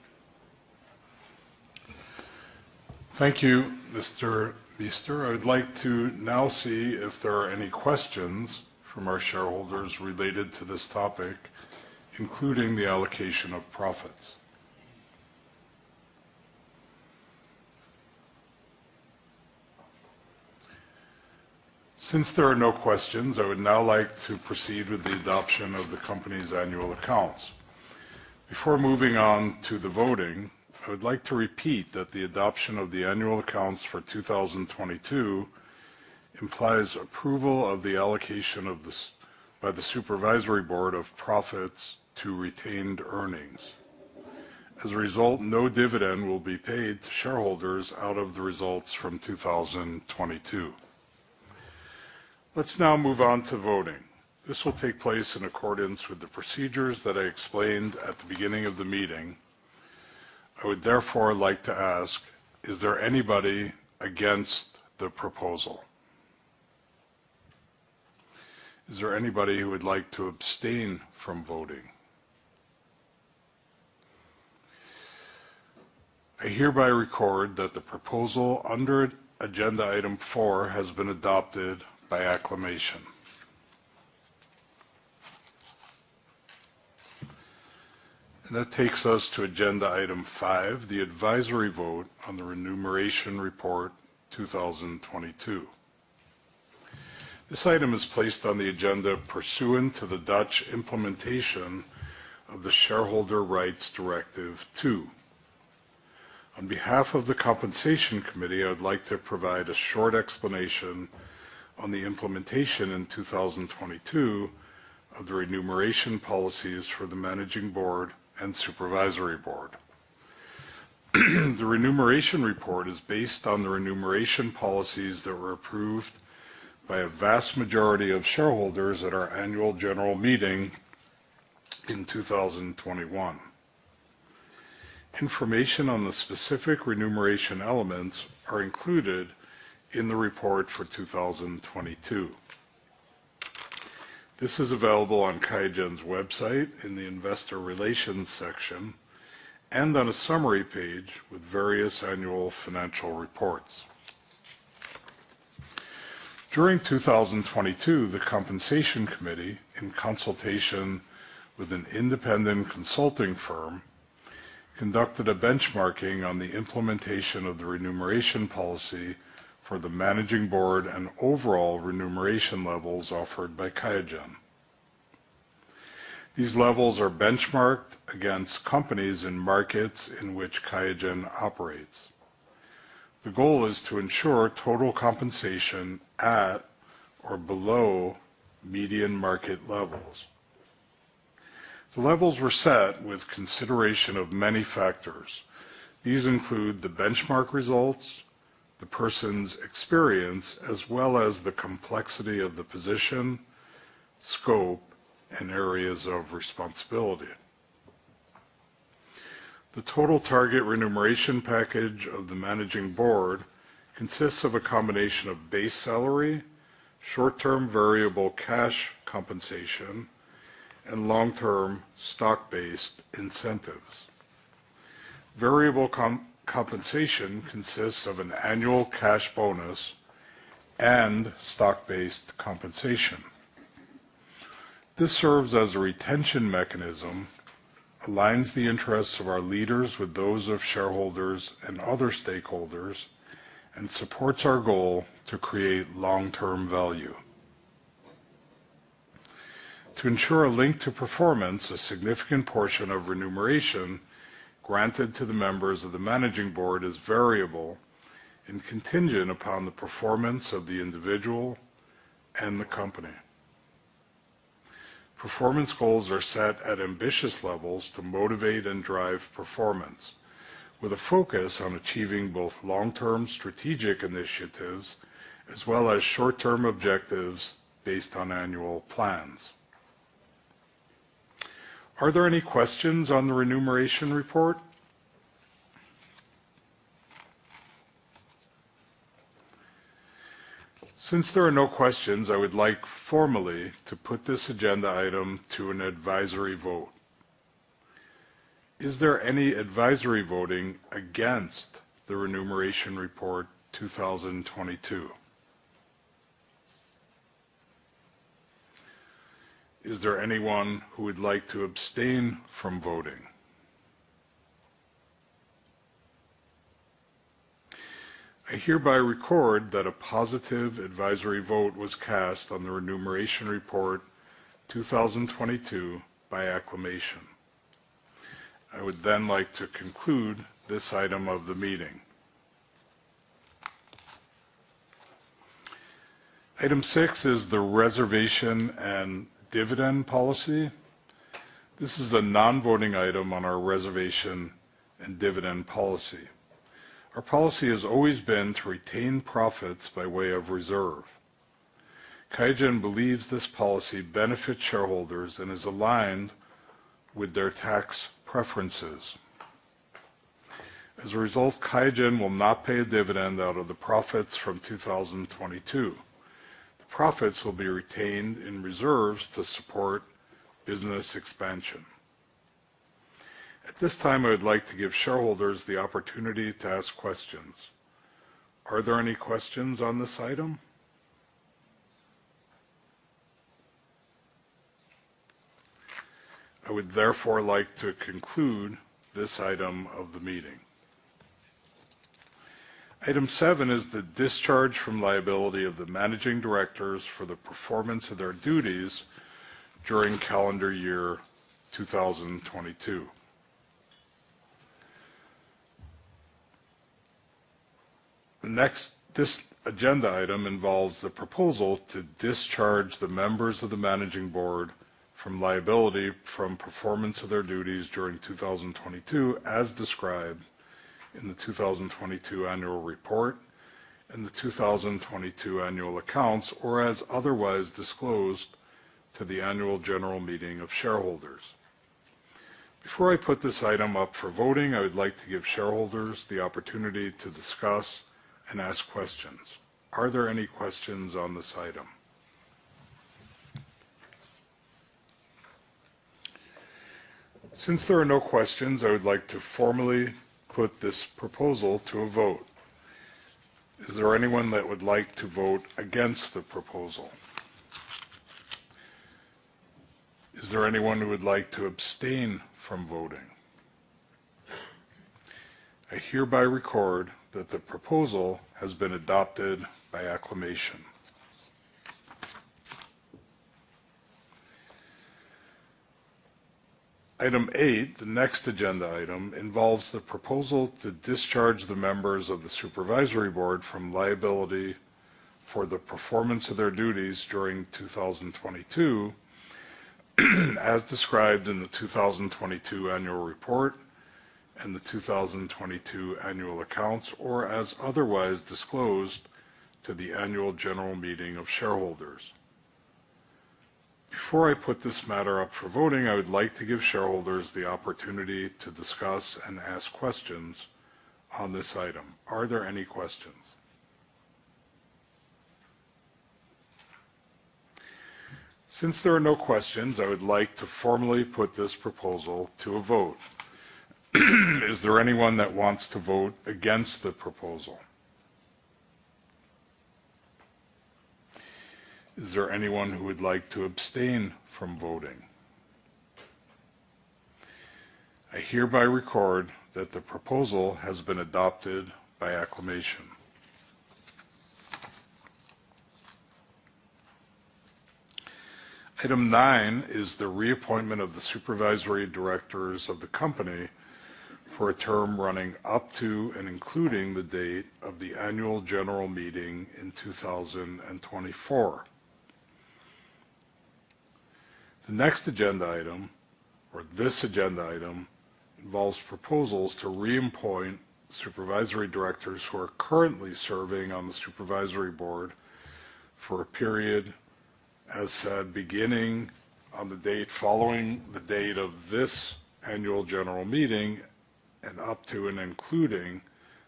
Thank you, Mr. Meester. I would like to now see if there are any questions from our shareholders related to this topic, including the allocation of profits. Since there are no questions, I would now like to proceed with the adoption of the company's annual accounts. Before moving on to the voting, I would like to repeat that the adoption of the annual accounts for 2022 implies approval of the allocation by the supervisory board of profits to retained earnings. As a result, no dividend will be paid to shareholders out of the results from 2022. Let's now move on to voting. This will take place in accordance with the procedures that I explained at the beginning of the meeting. I would therefore like to ask, is there anybody against the proposal? Is there anybody who would like to abstain from voting? I hereby record that the proposal under agenda item four has been adopted by acclamation. And that takes us to agenda item five, the advisory vote on the remuneration report 2022. This item is placed on the agenda pursuant to the Dutch implementation of the Shareholder Rights Directive II. On behalf of the compensation committee, I would like to provide a short explanation on the implementation in 2022 of the remuneration policies for the managing board and supervisory board. The remuneration report is based on the remuneration policies that were approved by a vast majority of shareholders at our annual general meeting in 2021. Information on the specific remuneration elements are included in the report for 2022. This is available on QIAGEN's website in the investor relations section and on a summary page with various annual financial reports. During 2022, the compensation committee, in consultation with an independent consulting firm, conducted a benchmarking on the implementation of the remuneration policy for the managing board and overall remuneration levels offered by QIAGEN. These levels are benchmarked against companies in markets in which QIAGEN operates. The goal is to ensure total compensation at or below median market levels. The levels were set with consideration of many factors. These include the benchmark results, the person's experience, as well as the complexity of the position, scope, and areas of responsibility. The total target remuneration package of the Managing Board consists of a combination of base salary, short-term variable cash compensation, and long-term stock-based incentives. Variable compensation consists of an annual cash bonus and stock-based compensation. This serves as a retention mechanism, aligns the interests of our leaders with those of shareholders and other stakeholders, and supports our goal to create long-term value. To ensure a link to performance, a significant portion of remuneration granted to the members of the Managing Board is variable and contingent upon the performance of the individual and the company. Performance goals are set at ambitious levels to motivate and drive performance, with a focus on achieving both long-term strategic initiatives as well as short-term objectives based on annual plans. Are there any questions on the remuneration report? Since there are no questions, I would like formally to put this agenda item to an advisory vote. Is there any advisory voting against the remuneration report 2022? Is there anyone who would like to abstain from voting? I hereby record that a positive advisory vote was cast on the remuneration report 2022 by acclamation. I would then like to conclude this item of the meeting. Item six is the reservation and dividend policy. This is a non-voting item on our reservation and dividend policy. Our policy has always been to retain profits by way of reserve. QIAGEN believes this policy benefits shareholders and is aligned with their tax preferences. As a result, QIAGEN will not pay a dividend out of the profits from 2022. The profits will be retained in reserves to support business expansion. At this time, I would like to give shareholders the opportunity to ask questions. Are there any questions on this item? I would therefore like to conclude this item of the meeting. Item seven is the discharge from liability of the managing directors for the performance of their duties during calendar year 2022. The next agenda item involves the proposal to discharge the members of the managing board from liability for performance of their duties during 2022, as described in the 2022 annual report and the 2022 annual accounts, or as otherwise disclosed to the annual general meeting of shareholders. Before I put this item up for voting, I would like to give shareholders the opportunity to discuss and ask questions. Are there any questions on this item? Since there are no questions, I would like to formally put this proposal to a vote. Is there anyone that would like to vote against the proposal? Is there anyone who would like to abstain from voting? I hereby record that the proposal has been adopted by acclamation. Item eight, the next agenda item, involves the proposal to discharge the members of the supervisory board from liability for the performance of their duties during 2022, as described in the 2022 annual report and the 2022 annual accounts, or as otherwise disclosed to the annual general meeting of shareholders. Before I put this matter up for voting, I would like to give shareholders the opportunity to discuss and ask questions on this item. Are there any questions? Since there are no questions, I would like to formally put this proposal to a vote. Is there anyone that wants to vote against the proposal? Is there anyone who would like to abstain from voting? I hereby record that the proposal has been adopted by acclamation. Item nine is the reappointment of the supervisory directors of the company for a term running up to and including the date of the annual general meeting in 2024. The next agenda item, or this agenda item, involves proposals to reappoint supervisory directors who are currently serving on the supervisory board for a period, as said, beginning on the date following the date of this annual general meeting and up to and including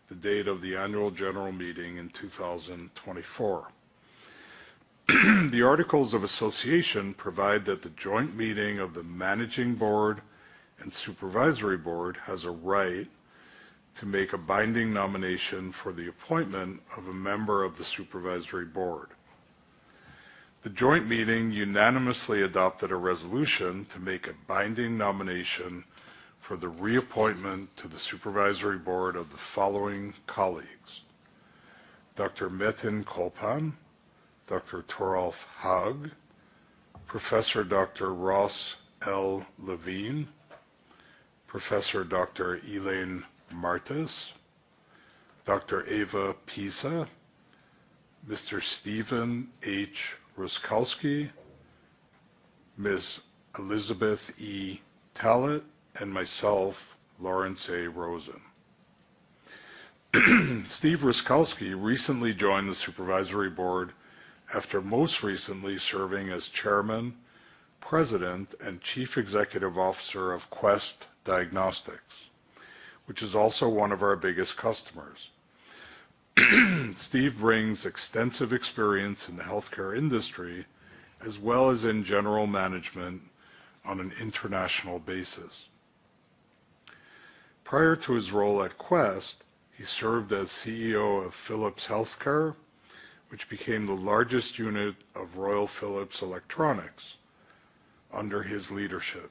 the date of the annual general meeting in 2024. The articles of association provide that the joint meeting of the managing board and supervisory board has a right to make a binding nomination for the appointment of a member of the supervisory board. The joint meeting unanimously adopted a resolution to make a binding nomination for the reappointment to the supervisory board of the following colleagues: Dr. Metin Colpan, Dr. Toralf Haag, Professor Dr. Ross L. Levine. Professor Dr. Elaine Mardis, Dr. Eva Pisa, Mr. Stephen H. Rusckowski, Ms. Elizabeth E. Tallett, and myself, Lawrence A. Rosen. Steve Rusckowski recently joined the supervisory board after most recently serving as chairman, president, and chief executive officer of Quest Diagnostics, which is also one of our biggest customers. Steve brings extensive experience in the healthcare industry as well as in general management on an international basis. Prior to his role at Quest, he served as CEO of Philips Healthcare, which became the largest unit of Royal Philips Electronics under his leadership.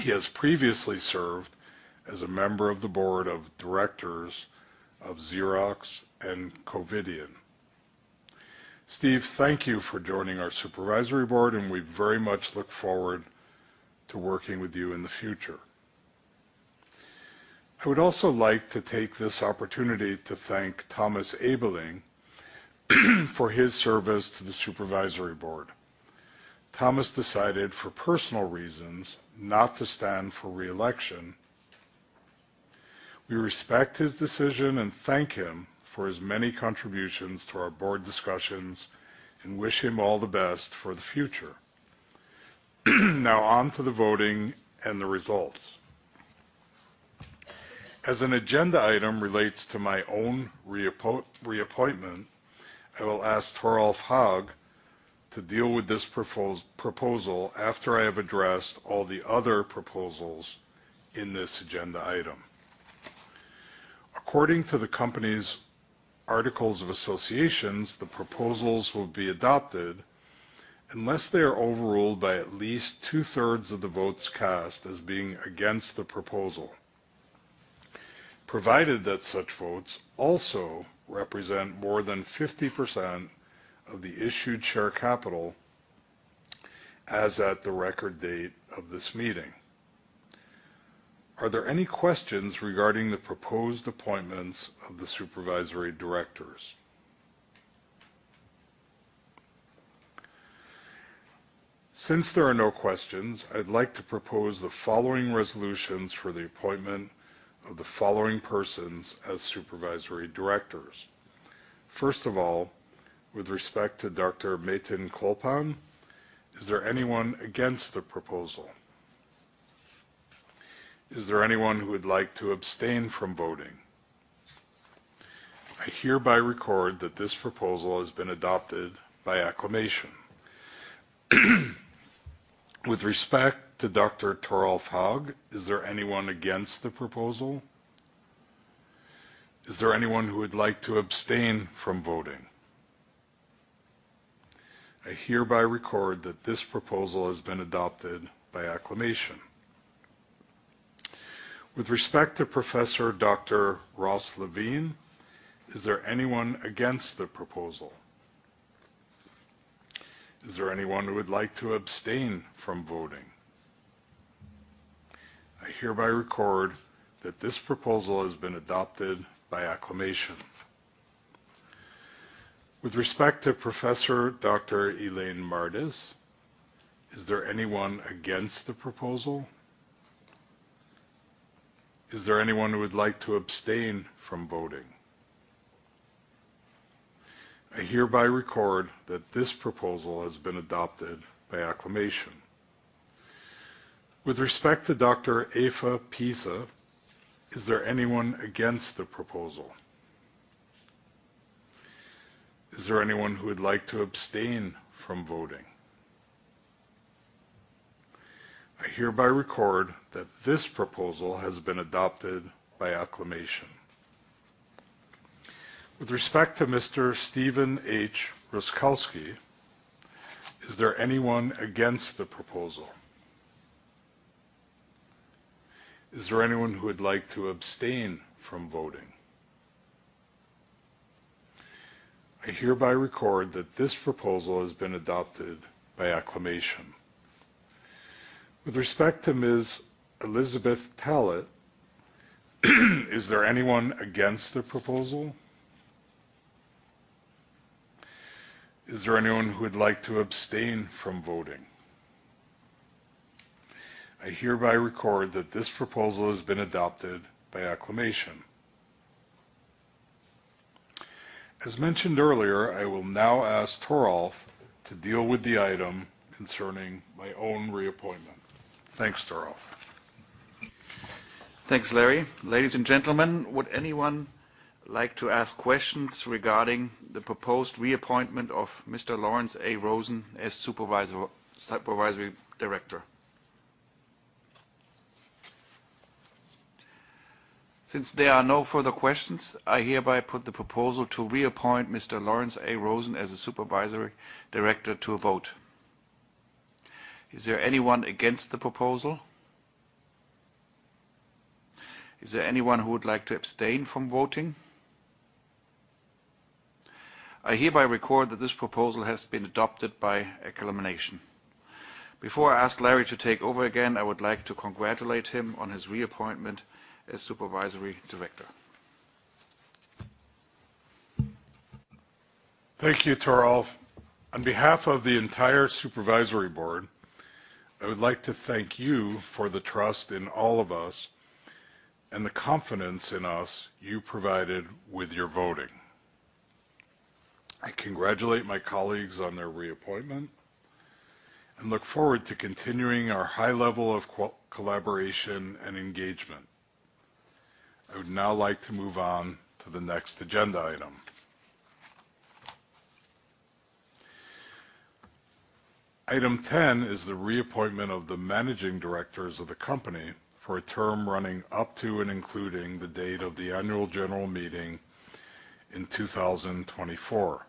He has previously served as a member of the board of directors of Xerox and Covidien. Steve, thank you for joining our supervisory board, and we very much look forward to working with you in the future. I would also like to take this opportunity to thank Thomas Ebeling for his service to the supervisory board. Thomas decided, for personal reasons, not to stand for reelection. We respect his decision and thank him for his many contributions to our board discussions and wish him all the best for the future. Now, on to the voting and the results. As an agenda item relates to my own reappointment, I will ask Toralf Haag to deal with this proposal after I have addressed all the other proposals in this agenda item. According to the company's articles of association, the proposals will be adopted unless they are overruled by at least two-thirds of the votes cast as being against the proposal, provided that such votes also represent more than 50% of the issued share capital, as at the record date of this meeting. Are there any questions regarding the proposed appointments of the supervisory directors? Since there are no questions, I'd like to propose the following resolutions for the appointment of the following persons as supervisory directors. First of all, with respect to Dr. Metin Colpan, is there anyone against the proposal? Is there anyone who would like to abstain from voting? I hereby record that this proposal has been adopted by acclamation. With respect to Dr. Toralf Haag, is there anyone against the proposal? Is there anyone who would like to abstain from voting? I hereby record that this proposal has been adopted by acclamation. With respect to Professor Dr. Ross L. Levine, is there anyone against the proposal? Is there anyone who would like to abstain from voting? I hereby record that this proposal has been adopted by acclamation. With respect to Professor Dr. Elaine Mardis, is there anyone against the proposal? Is there anyone who would like to abstain from voting? I hereby record that this proposal has been adopted by acclamation. With respect to Dr. Eva Pisa, is there anyone against the proposal? Is there anyone who would like to abstain from voting? I hereby record that this proposal has been adopted by acclamation. With respect to Mr. Stephen H. Rusckowski, is there anyone against the proposal? Is there anyone who would like to abstain from voting? I hereby record that this proposal has been adopted by acclamation. With respect to Ms. Elizabeth Tallett, is there anyone against the proposal? Is there anyone who would like to abstain from voting? I hereby record that this proposal has been adopted by acclamation. As mentioned earlier, I will now ask Toralf to deal with the item concerning my own reappointment. Thanks, Toralf.
Thanks, Larry. Ladies and gentlemen, would anyone like to ask questions regarding the proposed reappointment of Mr. Lawrence A. Rosen as supervisory director? Since there are no further questions, I hereby put the proposal to reappoint Mr. Lawrence A. Rosen as a supervisory director to a vote. Is there anyone against the proposal? Is there anyone who would like to abstain from voting? I hereby record that this proposal has been adopted by acclamation. Before I ask Larry to take over again, I would like to congratulate him on his reappointment as supervisory director.
Thank you, Toralf. On behalf of the entire supervisory board, I would like to thank you for the trust in all of us and the confidence in us you provided with your voting. I congratulate my colleagues on their reappointment and look forward to continuing our high level of collaboration and engagement. I would now like to move on to the next agenda item. Item 10 is the reappointment of the managing directors of the company for a term running up to and including the date of the annual general meeting in 2024.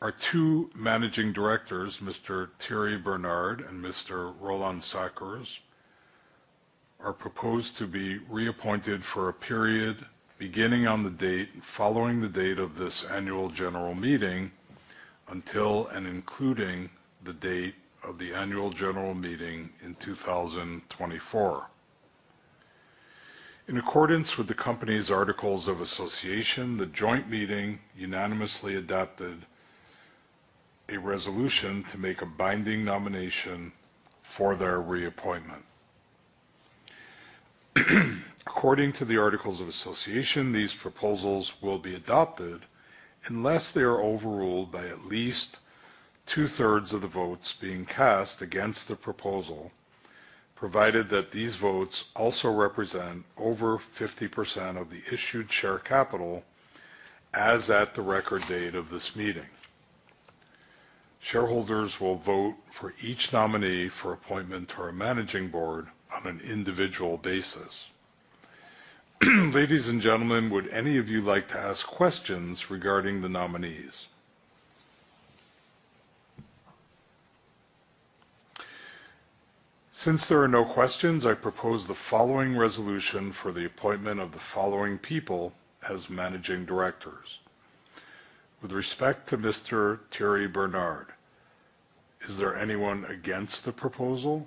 Our two managing directors, Mr. Thierry Bernard and Mr. Roland Sackers, are proposed to be reappointed for a period beginning on the date and following the date of this annual general meeting until and including the date of the annual general meeting in 2024. In accordance with the company's articles of association, the joint meeting unanimously adopted a resolution to make a binding nomination for their reappointment. According to the articles of association, these proposals will be adopted unless they are overruled by at least two-thirds of the votes being cast against the proposal, provided that these votes also represent over 50% of the issued share capital, as at the record date of this meeting. Shareholders will vote for each nominee for appointment to our managing board on an individual basis. Ladies and gentlemen, would any of you like to ask questions regarding the nominees? Since there are no questions, I propose the following resolution for the appointment of the following people as managing directors. With respect to Mr. Thierry Bernard, is there anyone against the proposal?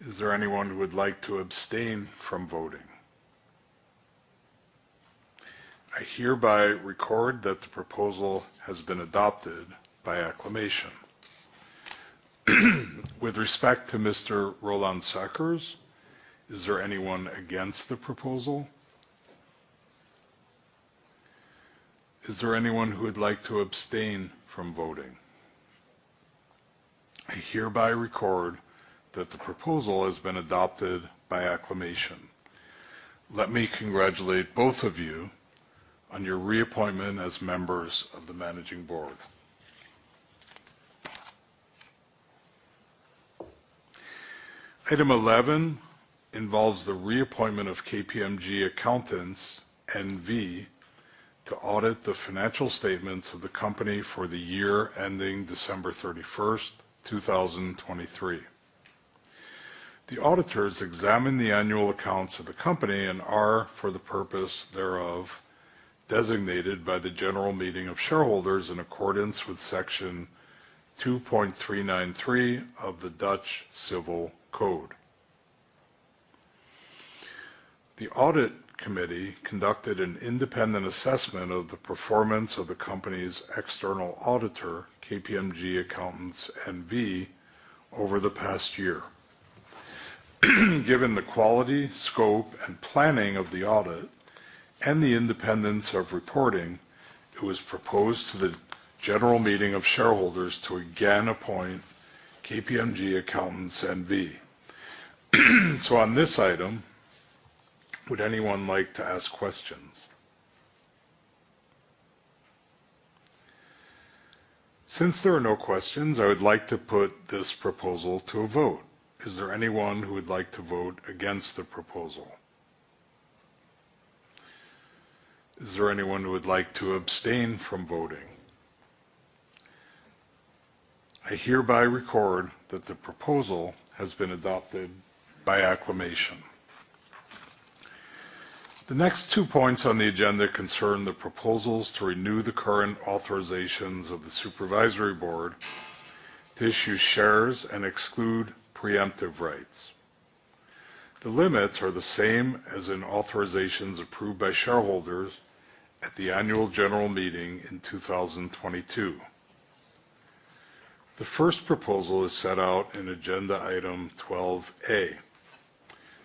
Is there anyone who would like to abstain from voting? I hereby record that the proposal has been adopted by acclamation. With respect to Mr. Roland Sackers, is there anyone against the proposal? Is there anyone who would like to abstain from voting? I hereby record that the proposal has been adopted by acclamation. Let me congratulate both of you on your reappointment as members of the Managing Board. Item 11 involves the reappointment of KPMG Accountants N.V. to audit the financial statements of the company for the year ending December 31st, 2023. The auditors examine the annual accounts of the company and are, for the purpose thereof, designated by the general meeting of shareholders in accordance with Section 2.393 of the Dutch Civil Code. The audit committee conducted an independent assessment of the performance of the company's external auditor, KPMG Accountants N.V., over the past year. Given the quality, scope, and planning of the audit, and the independence of reporting, it was proposed to the general meeting of shareholders to again appoint KPMG Accountants N.V. So on this item, would anyone like to ask questions? Since there are no questions, I would like to put this proposal to a vote. Is there anyone who would like to vote against the proposal? Is there anyone who would like to abstain from voting? I hereby record that the proposal has been adopted by acclamation. The next two points on the agenda concern the proposals to renew the current authorizations of the Supervisory Board to issue shares and exclude preemptive rights. The limits are the same as in authorizations approved by shareholders at the annual general meeting in 2022. The first proposal is set out in Agenda Item 12A.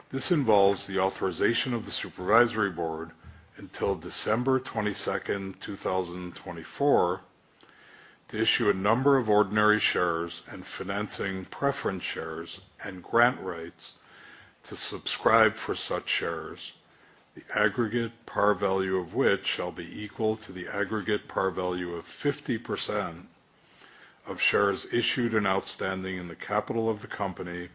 This involves the authorization of the Supervisory Board until December 22nd, 2024, to issue a number of ordinary shares and financing preference shares and grant rights to subscribe for such shares, the aggregate par value of which shall be equal to the aggregate par value of 50% of shares issued and outstanding in the capital of the company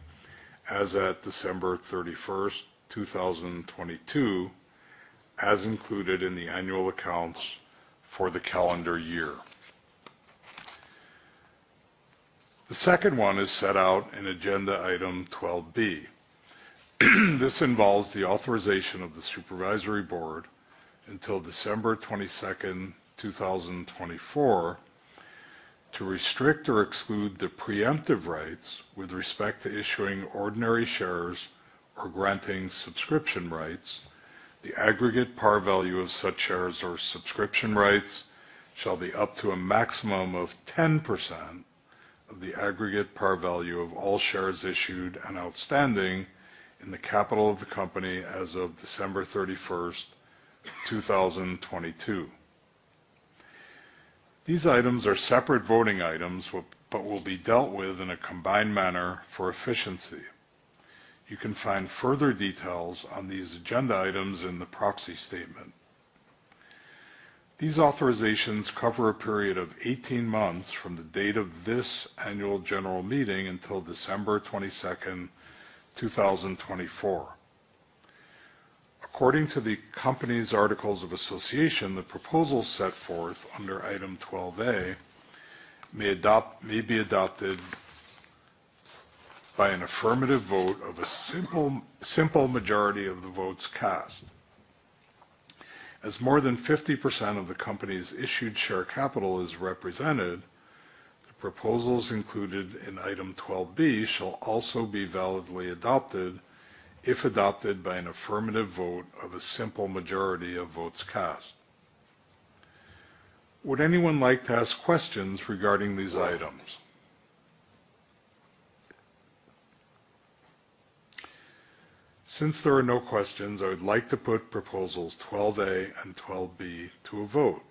as at December 31st, 2022, as included in the annual accounts for the calendar year. The second one is set out in Agenda Item 12B. This involves the authorization of the Supervisory Board until December 22nd, 2024, to restrict or exclude the preemptive rights with respect to issuing ordinary shares or granting subscription rights. The aggregate par value of such shares or subscription rights shall be up to a maximum of 10% of the aggregate par value of all shares issued and outstanding in the capital of the company as of December 31st, 2022. These items are separate voting items but will be dealt with in a combined manner for efficiency. You can find further details on these agenda items in the proxy statement. These authorizations cover a period of 18 months from the date of this annual general meeting until December 22nd, 2024. According to the company's articles of association, the proposal set forth under Item 12A may be adopted by an affirmative vote of a simple majority of the votes cast. As more than 50% of the company's issued share capital is represented, the proposals included in Item 12B shall also be validly adopted if adopted by an affirmative vote of a simple majority of votes cast. Would anyone like to ask questions regarding these items? Since there are no questions, I would like to put proposals 12A and 12B to a vote.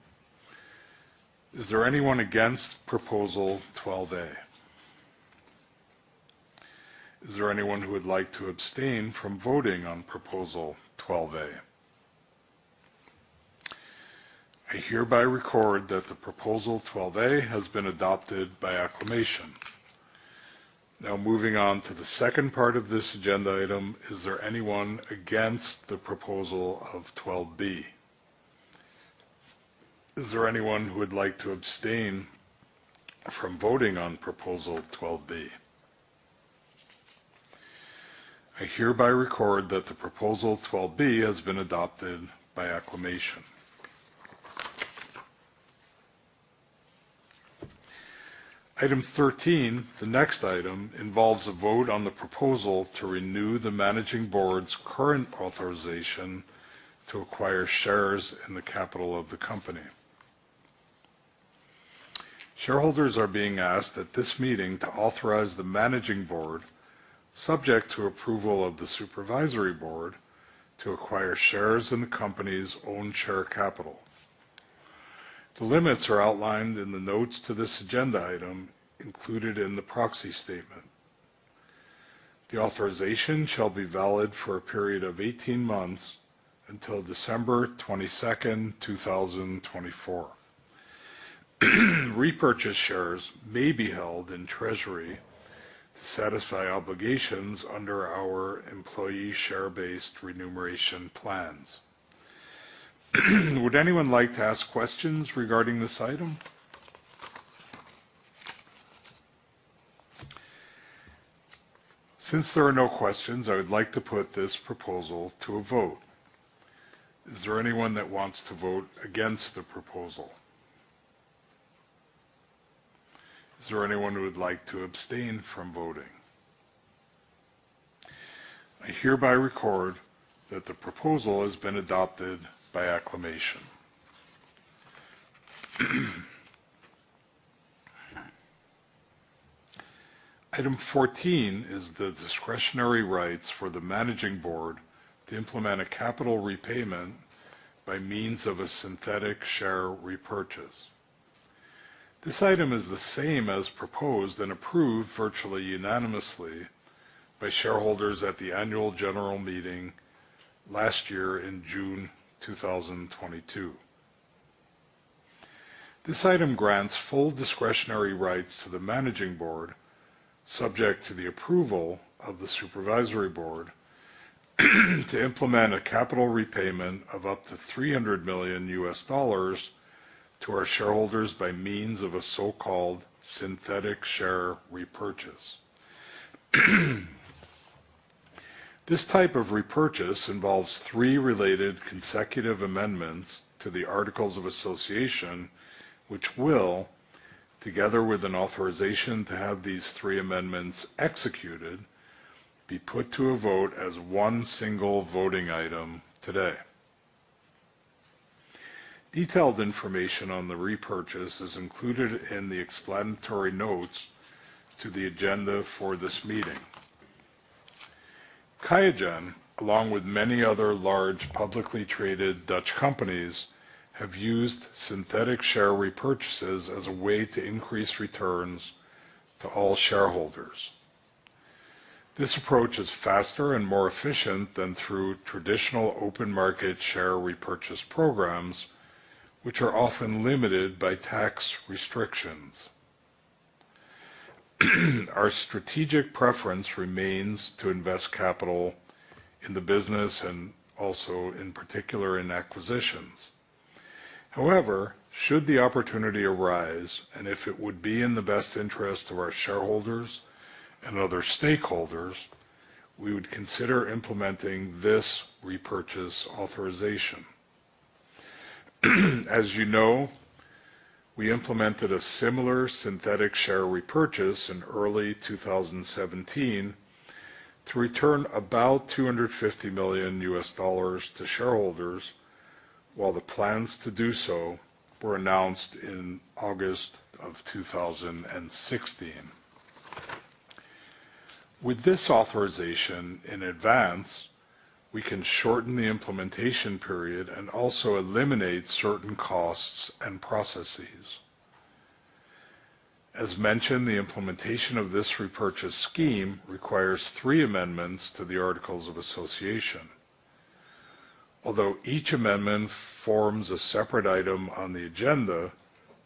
Is there anyone against proposal 12A? Is there anyone who would like to abstain from voting on proposal 12A? I hereby record that the proposal 12A has been adopted by acclamation. Now, moving on to the second part of this agenda item, is there anyone against the proposal of 12B? Is there anyone who would like to abstain from voting on proposal 12B? I hereby record that the proposal 12B has been adopted by acclamation. Item 13, the next item, involves a vote on the proposal to renew the Managing Board's current authorization to acquire shares in the capital of the company. Shareholders are being asked at this meeting to authorize the Managing Board, subject to approval of the Supervisory Board, to acquire shares in the company's own share capital. The limits are outlined in the notes to this agenda item included in the proxy statement. The authorization shall be valid for a period of 18 months until December 22nd, 2024. Repurchased shares may be held in treasury to satisfy obligations under our employee share-based remuneration plans. Would anyone like to ask questions regarding this item? Since there are no questions, I would like to put this proposal to a vote. Is there anyone that wants to vote against the proposal? Is there anyone who would like to abstain from voting? I hereby record that the proposal has been adopted by acclamation. Item 14 is the discretionary rights for the managing board to implement a capital repayment by means of a synthetic share repurchase. This item is the same as proposed and approved virtually unanimously by shareholders at the annual general meeting last year in June 2022. This item grants full discretionary rights to the managing board, subject to the approval of the supervisory board, to implement a capital repayment of up to $300 million to our shareholders by means of a so-called synthetic share repurchase. This type of repurchase involves three related consecutive amendments to the articles of association, which will, together with an authorization to have these three amendments executed, be put to a vote as one single voting item today. Detailed information on the repurchase is included in the explanatory notes to the agenda for this meeting. QIAGEN, along with many other large publicly traded Dutch companies, has used synthetic share repurchases as a way to increase returns to all shareholders. This approach is faster and more efficient than through traditional open market share repurchase programs, which are often limited by tax restrictions. Our strategic preference remains to invest capital in the business and also, in particular, in acquisitions. However, should the opportunity arise and if it would be in the best interest of our shareholders and other stakeholders, we would consider implementing this repurchase authorization. As you know, we implemented a similar synthetic share repurchase in early 2017 to return about $250 million to shareholders, while the plans to do so were announced in August of 2016. With this authorization in advance, we can shorten the implementation period and also eliminate certain costs and processes. As mentioned, the implementation of this repurchase scheme requires three amendments to the articles of association. Although each amendment forms a separate item on the agenda,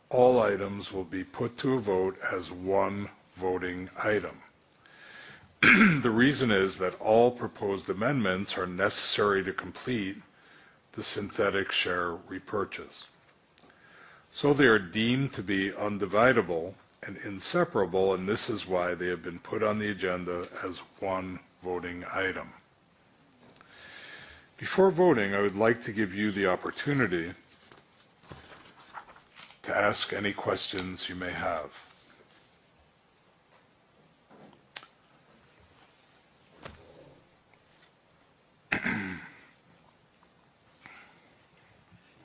all items will be put to a vote as one voting item. The reason is that all proposed amendments are necessary to complete the synthetic share repurchase. So they are deemed to be indivisible and inseparable, and this is why they have been put on the agenda as one voting item. Before voting, I would like to give you the opportunity to ask any questions you may have.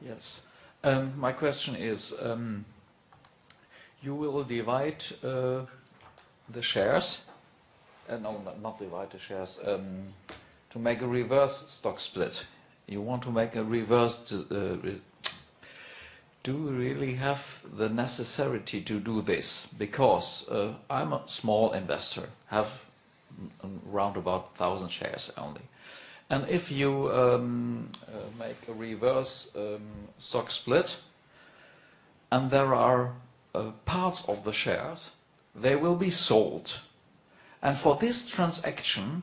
Yes. My question is, you will divide the shares? No, not divide the shares. To make a reverse stock split. You want to make a reverse? Do you really have the necessity to do this? Because I'm a small investor, have around about 1,000 shares only. And if you make a reverse stock split and there are parts of the shares, they will be sold. And for this transaction,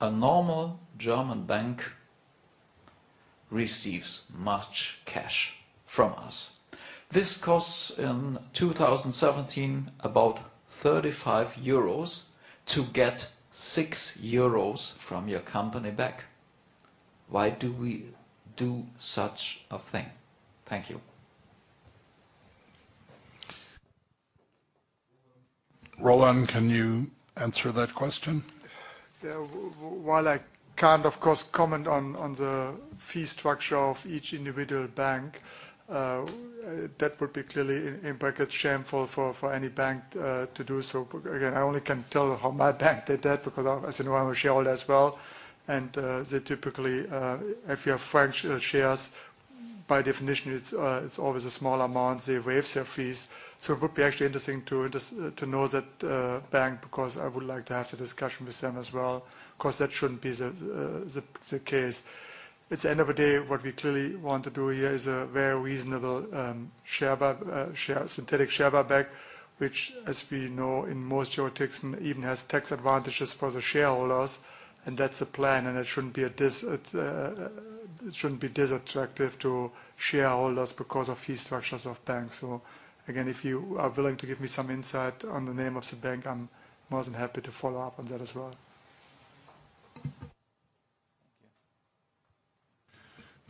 a normal German bank receives much cash from us. This costs in 2017 about 35 euros to get 6 euros from your company back. Why do we do such a thing? Thank you.
Roland, can you answer that question?
Yeah. While I can't, of course, comment on the fee structure of each individual bank, that would be clearly inappropriate for any bank to do so. Again, I only can tell how my bank did that because as you know, I'm a shareholder as well. And typically, if you have few shares, by definition, it's always a small amount. They waive their fees. So it would actually be interesting to know that bank because I would like to have the discussion with them as well. Of course, that shouldn't be the case. At the end of the day, what we clearly want to do here is a very reasonable synthetic share buyback, which, as we know, in most jurisdictions, even has tax advantages for the shareholders. And that's the plan. And it shouldn't be unattractive to shareholders because of fee structures of banks. So again, if you are willing to give me some insight on the name of the bank, I'm more than happy to follow up on that as well.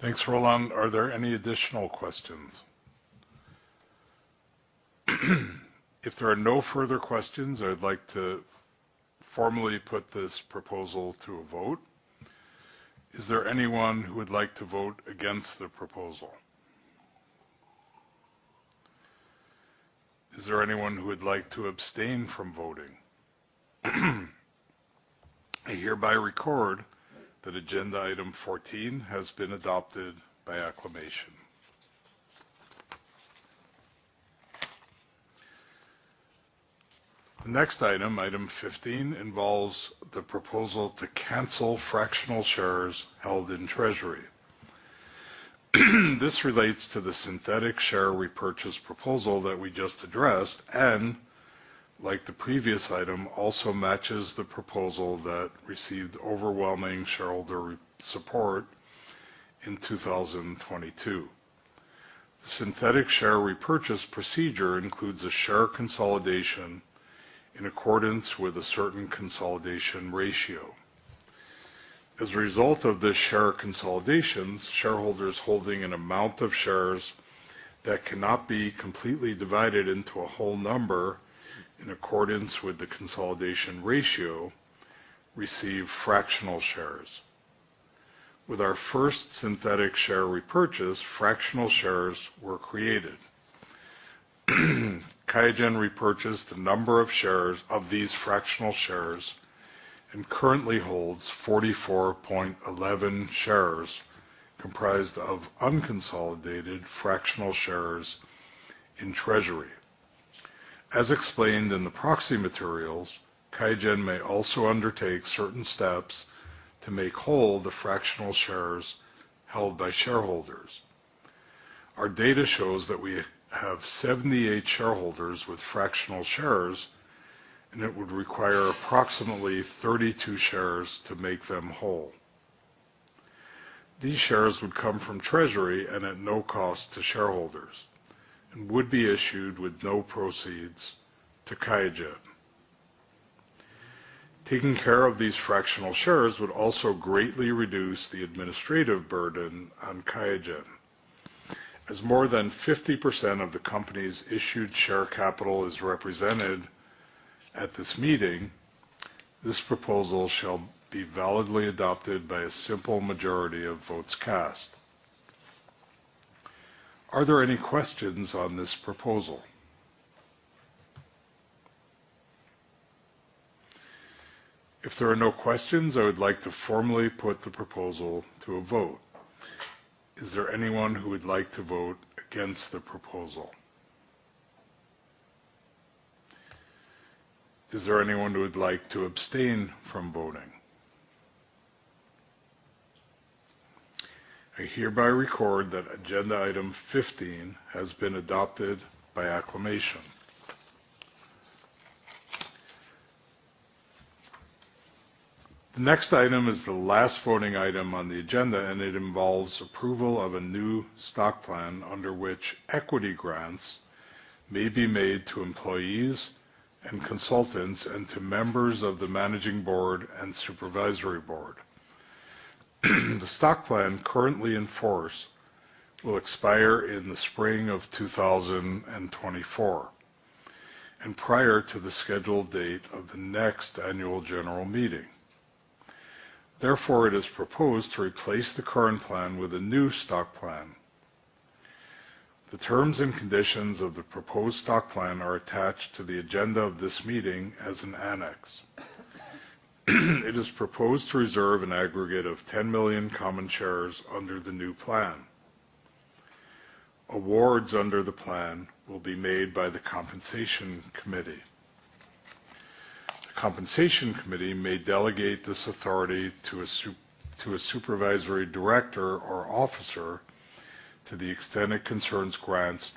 Thank you.
Thanks, Roland. Are there any additional questions? If there are no further questions, I'd like to formally put this proposal to a vote. Is there anyone who would like to vote against the proposal? Is there anyone who would like to abstain from voting? I hereby record that agenda item 14 has been adopted by acclamation. The next item, item 15, involves the proposal to cancel fractional shares held in treasury. This relates to the synthetic share repurchase proposal that we just addressed and, like the previous item, also matches the proposal that received overwhelming shareholder support in 2022. The synthetic share repurchase procedure includes a share consolidation in accordance with a certain consolidation ratio. As a result of this share consolidation, shareholders holding an amount of shares that cannot be completely divided into a whole number in accordance with the consolidation ratio receive fractional shares. With our first synthetic share repurchase, fractional shares were created. QIAGEN repurchased a number of shares of these fractional shares and currently holds 44.11 shares comprised of unconsolidated fractional shares in treasury. As explained in the proxy materials, QIAGEN may also undertake certain steps to make whole the fractional shares held by shareholders. Our data shows that we have 78 shareholders with fractional shares, and it would require approximately 32 shares to make them whole. These shares would come from treasury and at no cost to shareholders and would be issued with no proceeds to QIAGEN. Taking care of these fractional shares would also greatly reduce the administrative burden on QIAGEN. As more than 50% of the company's issued share capital is represented at this meeting, this proposal shall be validly adopted by a simple majority of votes cast. Are there any questions on this proposal? If there are no questions, I would like to formally put the proposal to a vote. Is there anyone who would like to vote against the proposal? Is there anyone who would like to abstain from voting? I hereby record that agenda item 15 has been adopted by acclamation. The next item is the last voting item on the agenda, and it involves approval of a new stock plan under which equity grants may be made to employees and consultants and to members of the managing board and supervisory board. The stock plan currently in force will expire in the spring of 2024 and prior to the scheduled date of the next annual general meeting. Therefore, it is proposed to replace the current plan with a new stock plan. The terms and conditions of the proposed stock plan are attached to the agenda of this meeting as an annex. It is proposed to reserve an aggregate of 10 million common shares under the new plan. Awards under the plan will be made by the compensation committee. The compensation committee may delegate this authority to a supervisory director or officer to the extent it concerns grants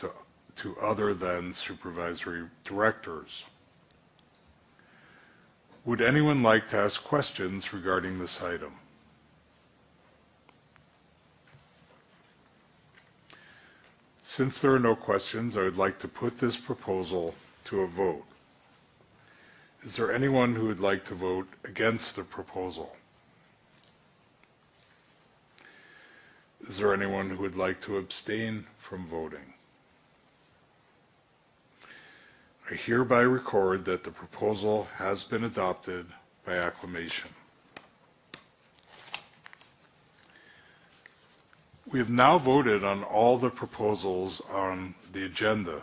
to other than supervisory directors. Would anyone like to ask questions regarding this item? Since there are no questions, I would like to put this proposal to a vote. Is there anyone who would like to vote against the proposal? Is there anyone who would like to abstain from voting? I hereby record that the proposal has been adopted by acclamation. We have now voted on all the proposals on the agenda.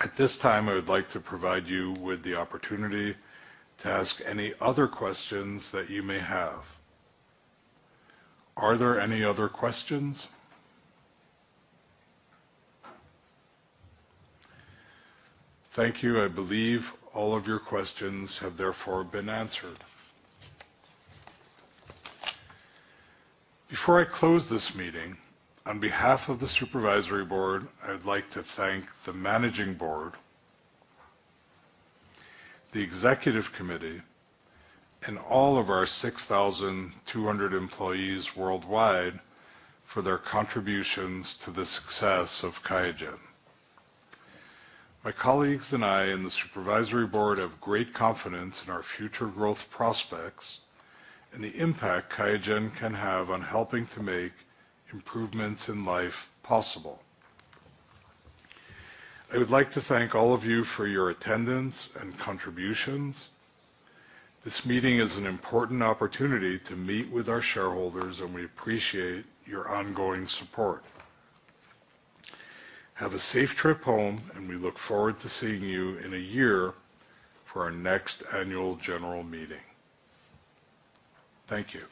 At this time, I would like to provide you with the opportunity to ask any other questions that you may have. Are there any other questions? Thank you. I believe all of your questions have therefore been answered. Before I close this meeting, on behalf of the supervisory board, I would like to thank the managing board, the executive committee, and all of our 6,200 employees worldwide for their contributions to the success of QIAGEN. My colleagues and I and the supervisory board have great confidence in our future growth prospects and the impact QIAGEN can have on helping to make improvements in life possible. I would like to thank all of you for your attendance and contributions. This meeting is an important opportunity to meet with our shareholders, and we appreciate your ongoing support. Have a safe trip home, and we look forward to seeing you in a year for our next annual general meeting. Thank you.